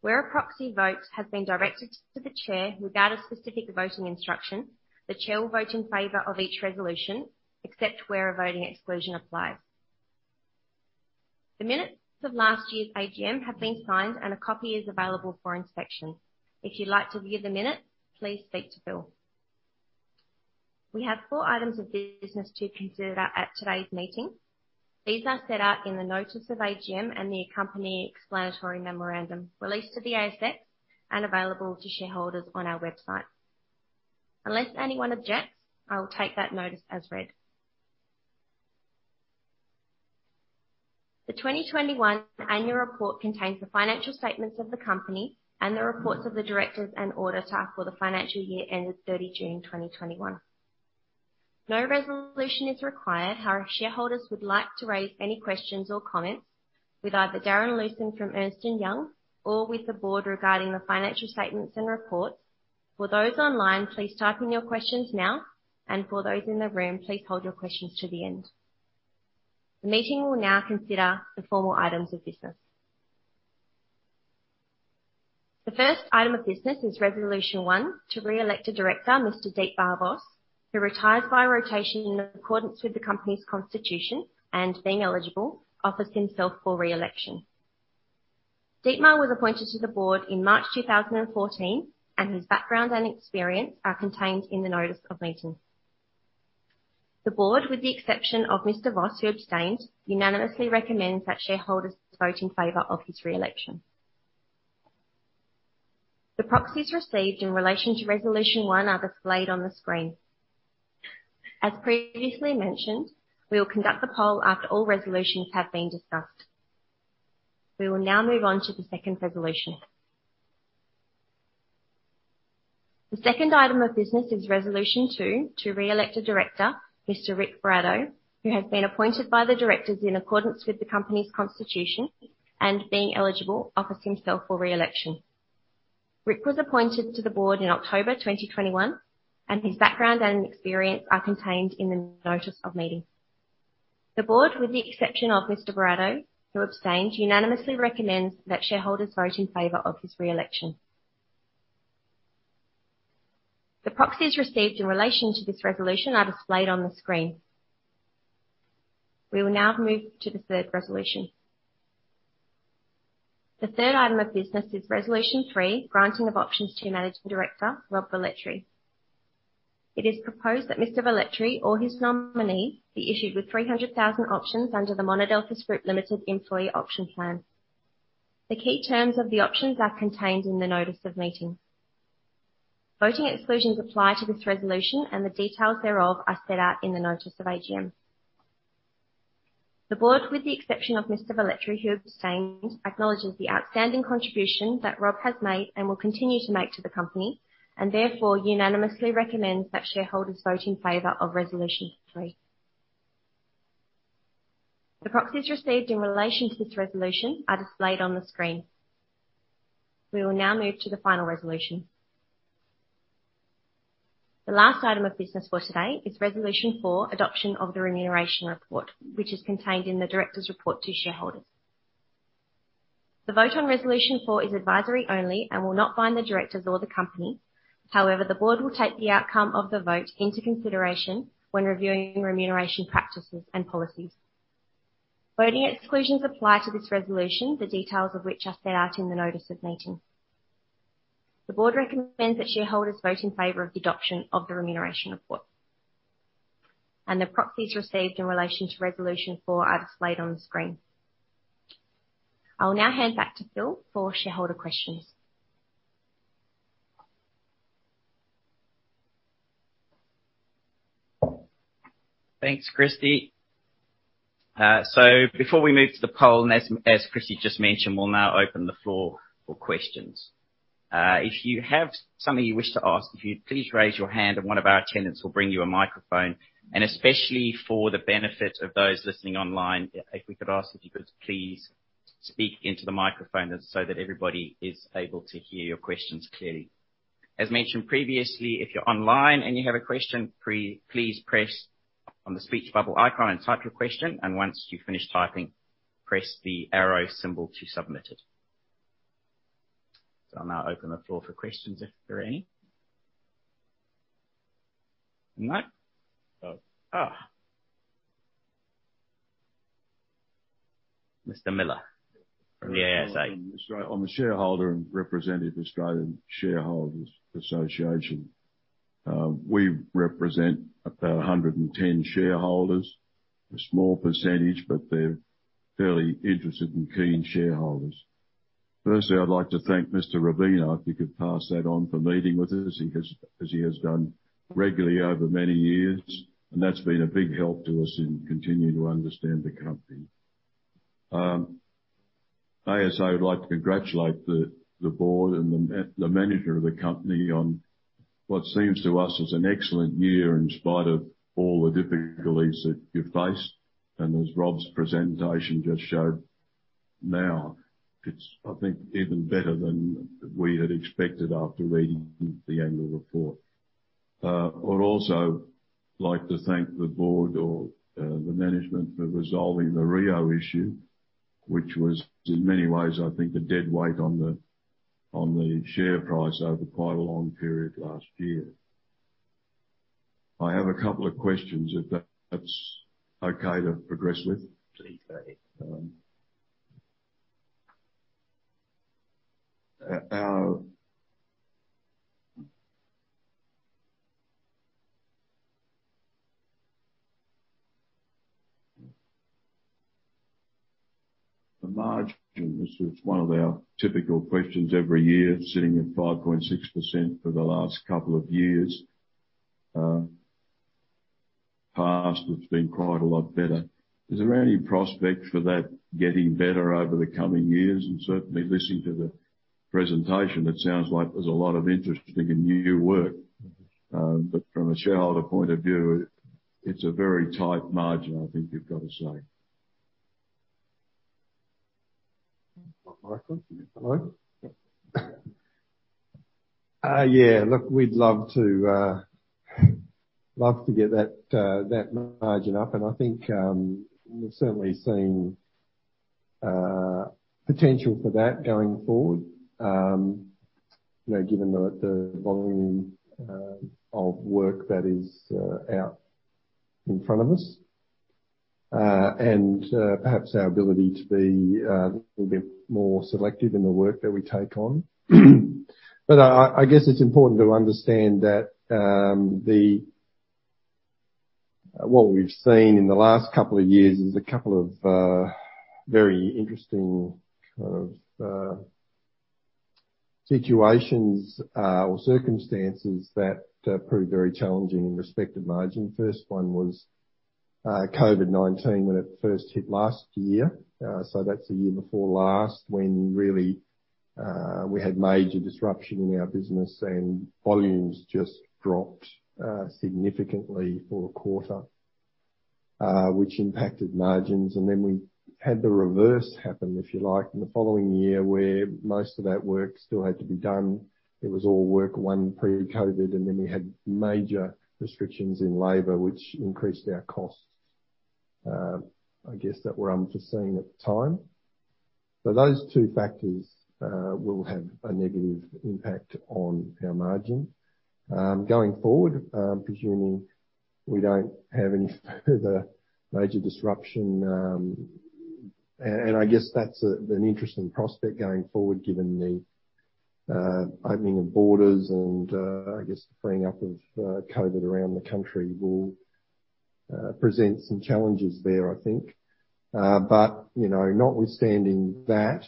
Where a proxy vote has been directed to the chair without a specific voting instruction, the chair will vote in favor of each resolution, except where a voting exclusion applies. The minutes of last year's AGM have been signed and a copy is available for inspection. If you'd like to view the minutes, please speak to Bill. We have four items of business to consider at today's meeting. These are set out in the notice of AGM and the accompanying explanatory memorandum released to the ASX and available to shareholders on our website. Unless anyone objects, I will take that notice as read. The 2021 annual report contains the financial statements of the company and the reports of the directors and auditor for the financial year ended 30 June 2021. No resolution is required. However, if shareholders would like to raise any questions or comments with either Darren Lewsen from Ernst & Young or with the board regarding the financial statements and reports, for those online, please type in your questions now, and for those in the room, please hold your questions to the end. The meeting will now consider the formal items of business. The first item of business is resolution one, to re-elect a director, Mr. Dietmar Voss, who retires by rotation in accordance with the company's constitution and being eligible offers himself for re-election. Dietmar was appointed to the board in March 2014, and his background and experience are contained in the notice of meeting. The board, with the exception of Mr. Voss, who abstained, unanimously recommends that shareholders vote in favor of his re-election. The proxies received in relation to resolution one are displayed on the screen. As previously mentioned, we will conduct the poll after all resolutions have been discussed. We will now move on to the second resolution. The second item of business is resolution two, to re-elect a director, Mr. Ric Buratto, who has been appointed by the directors in accordance with the company's constitution and being eligible offers himself for re-election. Rick was appointed to the board in October 2021, and his background and experience are contained in the notice of meeting. The board, with the exception of Mr. Buratto, who abstained, unanimously recommends that shareholders vote in favor of his re-election. The proxies received in relation to this resolution are displayed on the screen. We will now move to the third resolution. The third item of business is resolution three, granting of options to Managing Director, Rob Velletri. It is proposed that Mr. Velletri or his nominee be issued with 300,000 options under the Monadelphous Group Limited employee option plan. The key terms of the options are contained in the notice of meeting. Voting exclusions apply to this resolution, and the details thereof are set out in the notice of AGM. The board, with the exception of Mr. Velletri, who abstained, acknowledges the outstanding contribution that Rob has made and will continue to make to the company, and therefore unanimously recommends that shareholders vote in favor of Resolution 3. The proxies received in relation to this resolution are displayed on the screen. We will now move to the final resolution. The last item of business for today is Resolution 4, adoption of the remuneration report, which is contained in the director's report to shareholders. The vote on Resolution 4 is advisory only and will not bind the directors or the company. However, the board will take the outcome of the vote into consideration when reviewing remuneration practices and policies. Voting exclusions apply to this resolution, the details of which are set out in the notice of meeting. The board recommends that shareholders vote in favor of the adoption of the remuneration report, and the proxies received in relation to resolution four are displayed on the screen. I will now hand back to Phil for shareholder questions. Thanks, Kristy. Before we move to the poll, as Kristy just mentioned, we'll now open the floor for questions. If you have something you wish to ask, please raise your hand and one of our attendants will bring you a microphone. Especially for the benefit of those listening online, if we could ask if you could please speak into the microphone so that everybody is able to hear your questions clearly. As mentioned previously, if you're online and you have a question, please press on the speech bubble icon and type your question. Once you've finished typing, press the arrow symbol to submit it. I'll now open the floor for questions if there are any. No? Oh. Mr. Miller from the ASA. I'm a shareholder and representative of Australian Shareholders' Association. We represent about 110 shareholders, a small percentage, but they're fairly interested and keen shareholders. Firstly, I'd like to thank Mr. Rubino, if you could pass that on, for meeting with us, he has, as he has done regularly over many years, and that's been a big help to us in continuing to understand the company. ASA would like to congratulate the board and the manager of the company on what seems to us is an excellent year in spite of all the difficulties that you faced. As Rob's presentation just showed now, it's, I think, even better than we had expected after reading the annual report. I'd also like to thank the board or the management for resolving the Rio issue, which was in many ways, I think, a dead weight on the share price over quite a long period last year. I have a couple of questions, if that's okay to progress with. Please go ahead. The margin, this is one of our typical questions every year, sitting at 5.6% for the last couple of years. In the past, it's been quite a lot better. Is there any prospect for that getting better over the coming years? Certainly listening to the presentation, it sounds like there's a lot of interesting and new work. From a shareholder point of view, it's a very tight margin, I think you've got to say. Hello? Yeah, look, we'd love to get that margin up. I think we've certainly seen potential for that going forward given the volume of work that is out in front of us, and perhaps our ability to be a little bit more selective in the work that we take on. It's important to understand that what we've seen in the last couple of years is a couple of very interesting situations or circumstances that proved very challenging in respect of margin. First one was COVID-19 when it first hit last year. That's the year before last when really we had major disruption in our business and volumes just dropped significantly for a quarter, which impacted margins. Then we had the reverse happen, if you like, in the following year, where most of that work still had to be done. It was all work won pre-COVID, and then we had major restrictions in labor, which increased our costs. That were unforeseen at the time. Those two factors will have a negative impact on our margin. Going forward, I'm presuming we don't have any further major disruption, and that's an interesting prospect going forward given the opening of borders and the freeing up of COVID around the country will present some challenges there, I think. Notwithstanding that,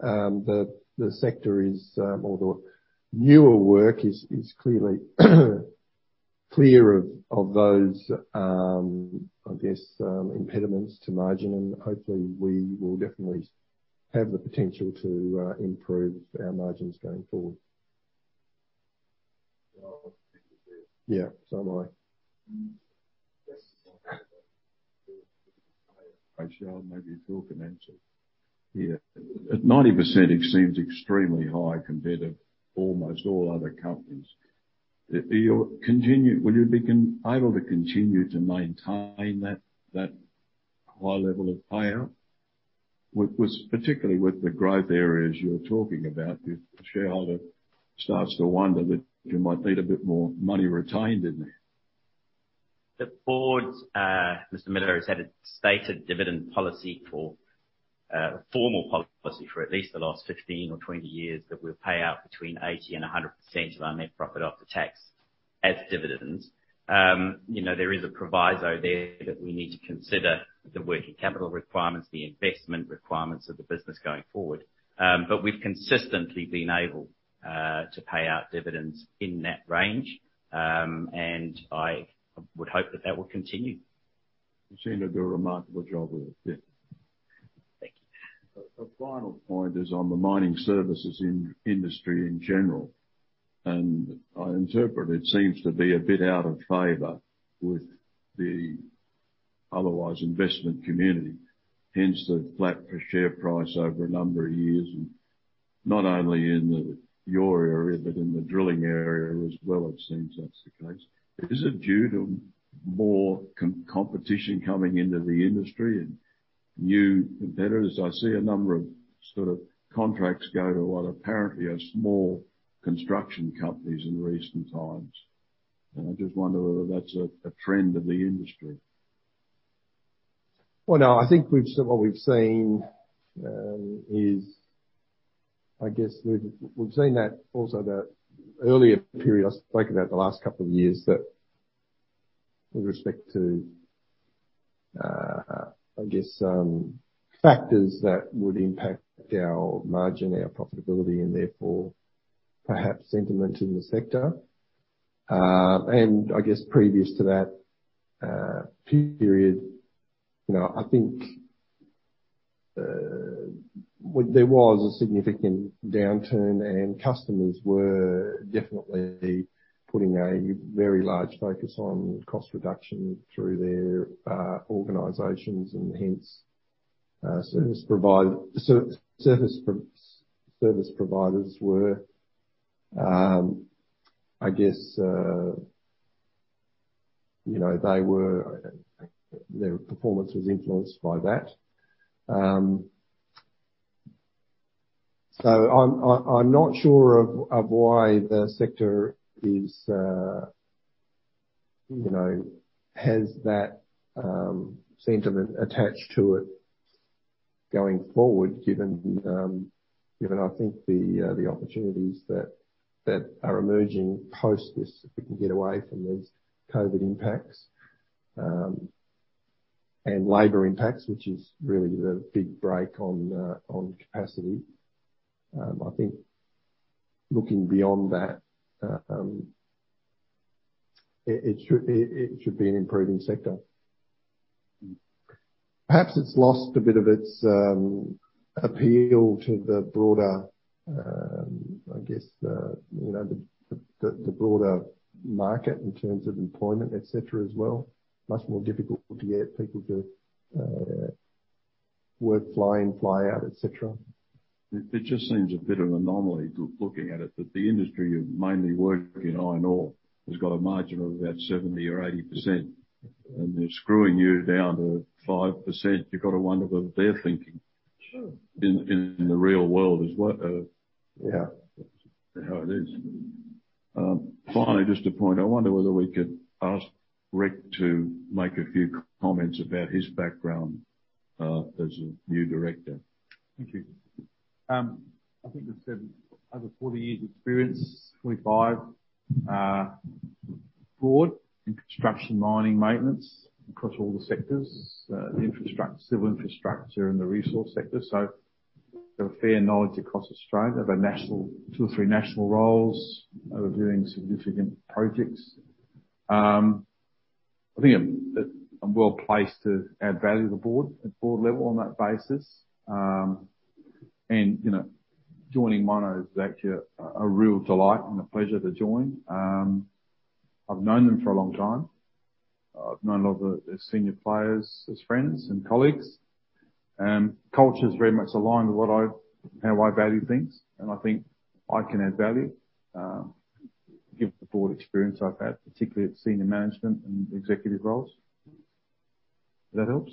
the newer work is clear of those impediments to margin, and hopefully we will definitely have the potential to improve our margins going forward. Yeah. So am I. I shall maybe Phil can answer. Yeah. 90% seems extremely high compared to almost all other companies. Will you be able to continue to maintain that high level of payout? With, particularly with the growth areas you're talking about, the shareholder starts to wonder that you might need a bit more money retained in there. The board, Mr. Miller, has had a stated dividend policy, a formal policy for at least the last 15 or 20 years, that we pay out between 80% and 100% of our net profit after tax as dividends. There is a proviso there that we need to consider the working capital requirements, the investment requirements of the business going forward. We've consistently been able to pay out dividends in that range. I would hope that that will continue. You seem to do a remarkable job with it. Thank you. The final point is on the mining services industry in general, and I interpret it seems to be a bit out of favor with the otherwise investment community. Hence the flat share price over a number of years. Not only in your area, but in the drilling area as well, it seems that's the case. Is it due to more competition coming into the industry and new competitors? I see a number of contracts go to what apparently are small construction companies in recent times. I just wonder whether that's a trend of the industry. No, I think so what we've seen is, we've seen that also the earlier period, I spoke about the last couple of years that with respect to, actors that would impact our margin, our profitability and therefore perhaps sentiment in the sector. Previous to that period, I think there was a significant downturn, and customers were definitely putting a very large focus on cost reduction through their organizations and hence service providers were, they were, their performance was influenced by that. I'm not sure why the sector has that sentiment attached to it going forward, given I think the opportunities that are emerging post this, if we can get away from these COVID impacts and labor impacts, which is really the big brake on capacity. I think looking beyond that, it should be an improving sector. Perhaps it's lost a bit of its appeal to the broader, the broader market in terms of employment, et cetera, as well, much more difficult to get people to work fly in, fly out, et cetera. It just seems a bit of an anomaly, too, looking at it, that the industry you mainly work in, iron ore, has got a margin of about 70% or 80%, and they're screwing you down to 5%. You gotta wonder what they're thinking. Sure. in the real world is what How it is. Finally, just a point. I wonder whether we could ask Ric to make a few comments about his background, as a new director. Thank you. I think I said over 40 years experience, 25 board in construction, mining, maintenance across all the sectors, the infrastructure, civil infrastructure and the resource sector. I have a fair knowledge across Australia. I have a national, 2 or 3 national roles overviewing significant projects. I think I'm well placed to add value to the board at board level on that basis. Joining Monadelphous is actually a real delight and a pleasure to join. I've known them for a long time. I've known a lot of their senior players as friends and colleagues. Culture is very much aligned with what I've, how I value things, and I think I can add value, given the board experience I've had, particularly at senior management and executive roles. If that helps.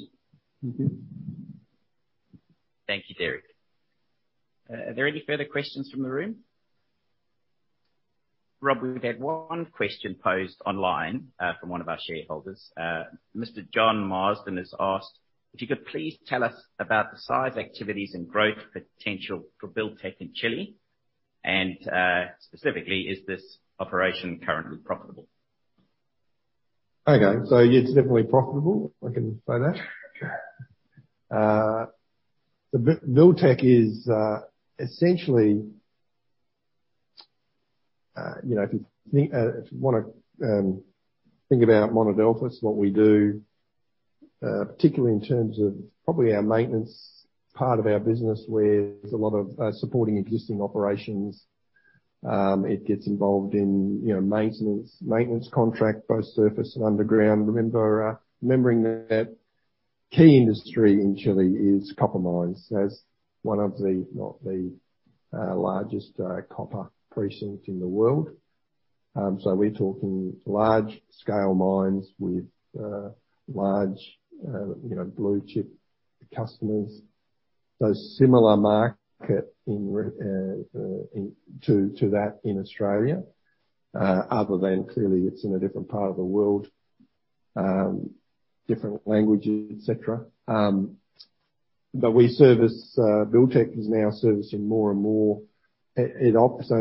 Thank you, Ric Buratto. Are there any further questions from the room? Rob Velletri, we've had one question posed online from one of our shareholders. Mr. John Marsden has asked if you could please tell us about the size, activities, and growth potential for Buildtek in Chile. Specifically, is this operation currently profitable? Okay. It's definitely profitable, I can say that. The Buildtek is essentially if you think, if you wanna think about Monadelphous, what we do, particularly in terms of probably our maintenance part of our business, where there's a lot of supporting existing operations, it gets involved in, maintenance contract, both surface and underground. Remember that key industry in Chile is copper mines. It has one of the, if not the, largest copper precincts in the world. We're talking large scale mines with large, blue chip customers. Similar market in regards to that in Australia, other than clearly it's in a different part of the world, different languages, et cetera. We service, Buildtek is now servicing more and more. Its office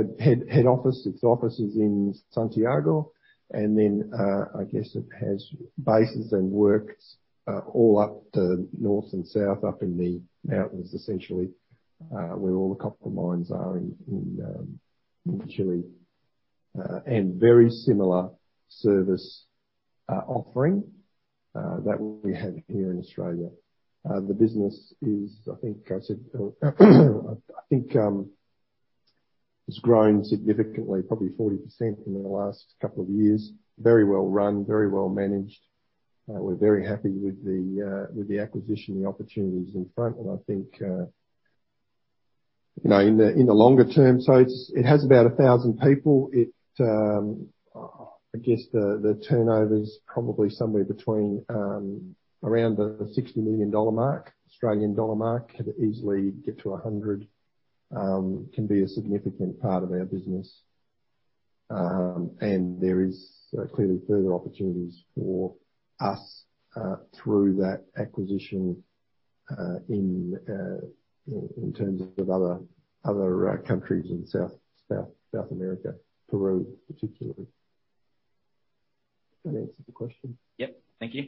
is in Santiago. It has bases and works all up the north and south, up in the mountains, essentially, where all the copper mines are in Chile. Very similar service offering that we have here in Australia. The business is, I think I said, I think, it's grown significantly, probably 40% in the last couple of years. Very well-run, very well managed. We're very happy with the acquisition, the opportunities in front. I think, in the longer term. It has about 1,000 people. It, the turnover's probably somewhere around the 60 million dollar mark, Australian dollar mark. Could easily get to a hundred. Can be a significant part of our business. There is clearly further opportunities for us through that acquisition in terms of other countries in South America. Peru, particularly. Does that answer the question? Yep. Thank you.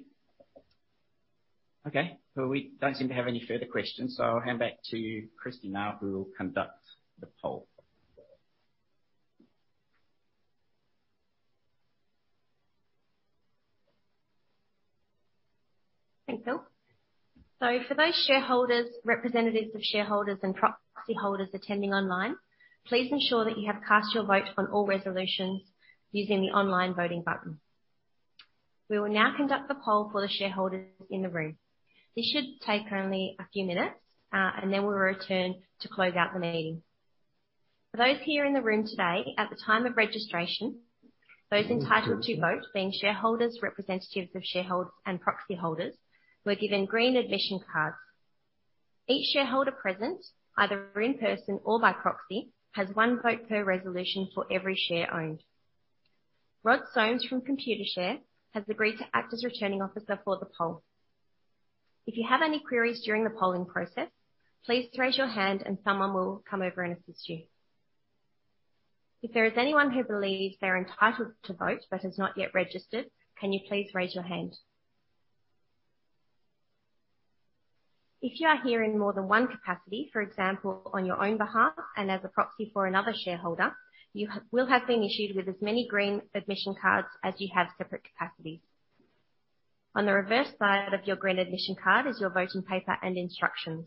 Okay. We don't seem to have any further questions, so I'll hand back to Christine now, who will conduct the poll. Thanks, Phil. For those shareholders, representatives of shareholders and proxy holders attending online, please ensure that you have cast your vote on all resolutions using the online voting button. We will now conduct the poll for the shareholders in the room. This should take only a few minutes, and then we'll return to close out the meeting. For those here in the room today, at the time of registration, those entitled to vote, being shareholders, representatives of shareholders and proxy holders, were given green admission cards. Each shareholder present, either in person or by proxy, has one vote per resolution for every share owned. Rod Somes from Computershare has agreed to act as Returning Officer for the poll. If you have any queries during the polling process, please raise your hand and someone will come over and assist you. If there is anyone who believes they're entitled to vote but has not yet registered, can you please raise your hand? If you are here in more than one capacity, for example, on your own behalf and as a proxy for another shareholder, you will have been issued with as many green admission cards as you have separate capacities. On the reverse side of your green admission card is your voting paper and instructions.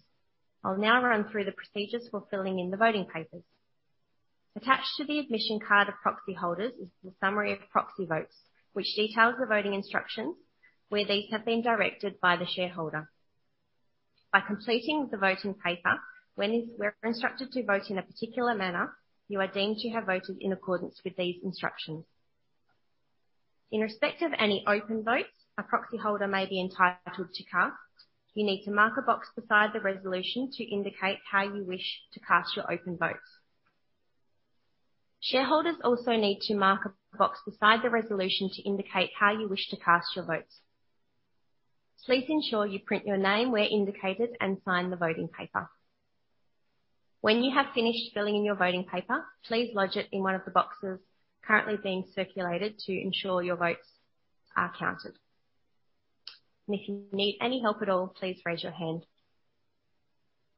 I'll now run through the procedures for filling in the voting papers. Attached to the admission card of proxy holders is the summary of proxy votes, which details the voting instructions where these have been directed by the shareholder. By completing the voting paper, when we're instructed to vote in a particular manner, you are deemed to have voted in accordance with these instructions. In respect of any open votes a proxy holder may be entitled to cast, you need to mark a box beside the resolution to indicate how you wish to cast your open votes. Shareholders also need to mark a box beside the resolution to indicate how you wish to cast your votes. Please ensure you print your name where indicated and sign the voting paper. When you have finished filling in your voting paper, please lodge it in one of the boxes currently being circulated to ensure your votes are counted. If you need any help at all, please raise your hand.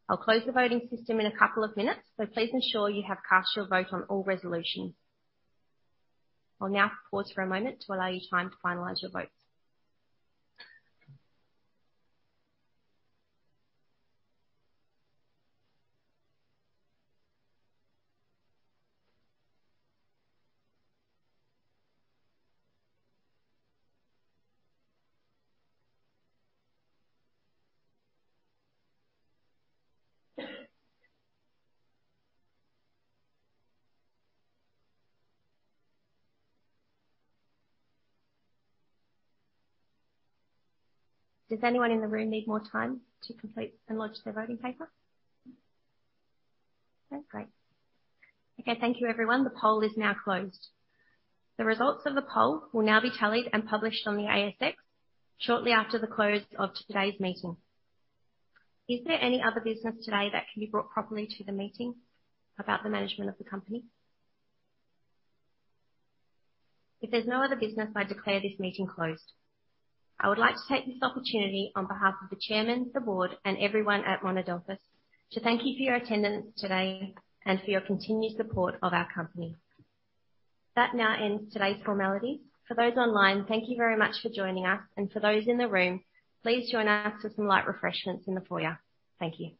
I'll close the voting system in a couple of minutes, so please ensure you have cast your vote on all resolutions. I'll now pause for a moment to allow you time to finalize your votes. Does anyone in the room need more time to complete and lodge their voting paper? Okay, great. Okay. Thank you, everyone. The poll is now closed. The results of the poll will now be tallied and published on the ASX shortly after the close of today's meeting. Is there any other business today that can be brought properly to the meeting about the management of the company? If there's no other business, I declare this meeting closed. I would like to take this opportunity on behalf of the Chairman, the Board, and everyone at Monadelphous to thank you for your attendance today and for your continued support of our company. That now ends today's formalities. For those online, thank you very much for joining us, and for those in the room, please join us with some light refreshments in the foyer. Thank you.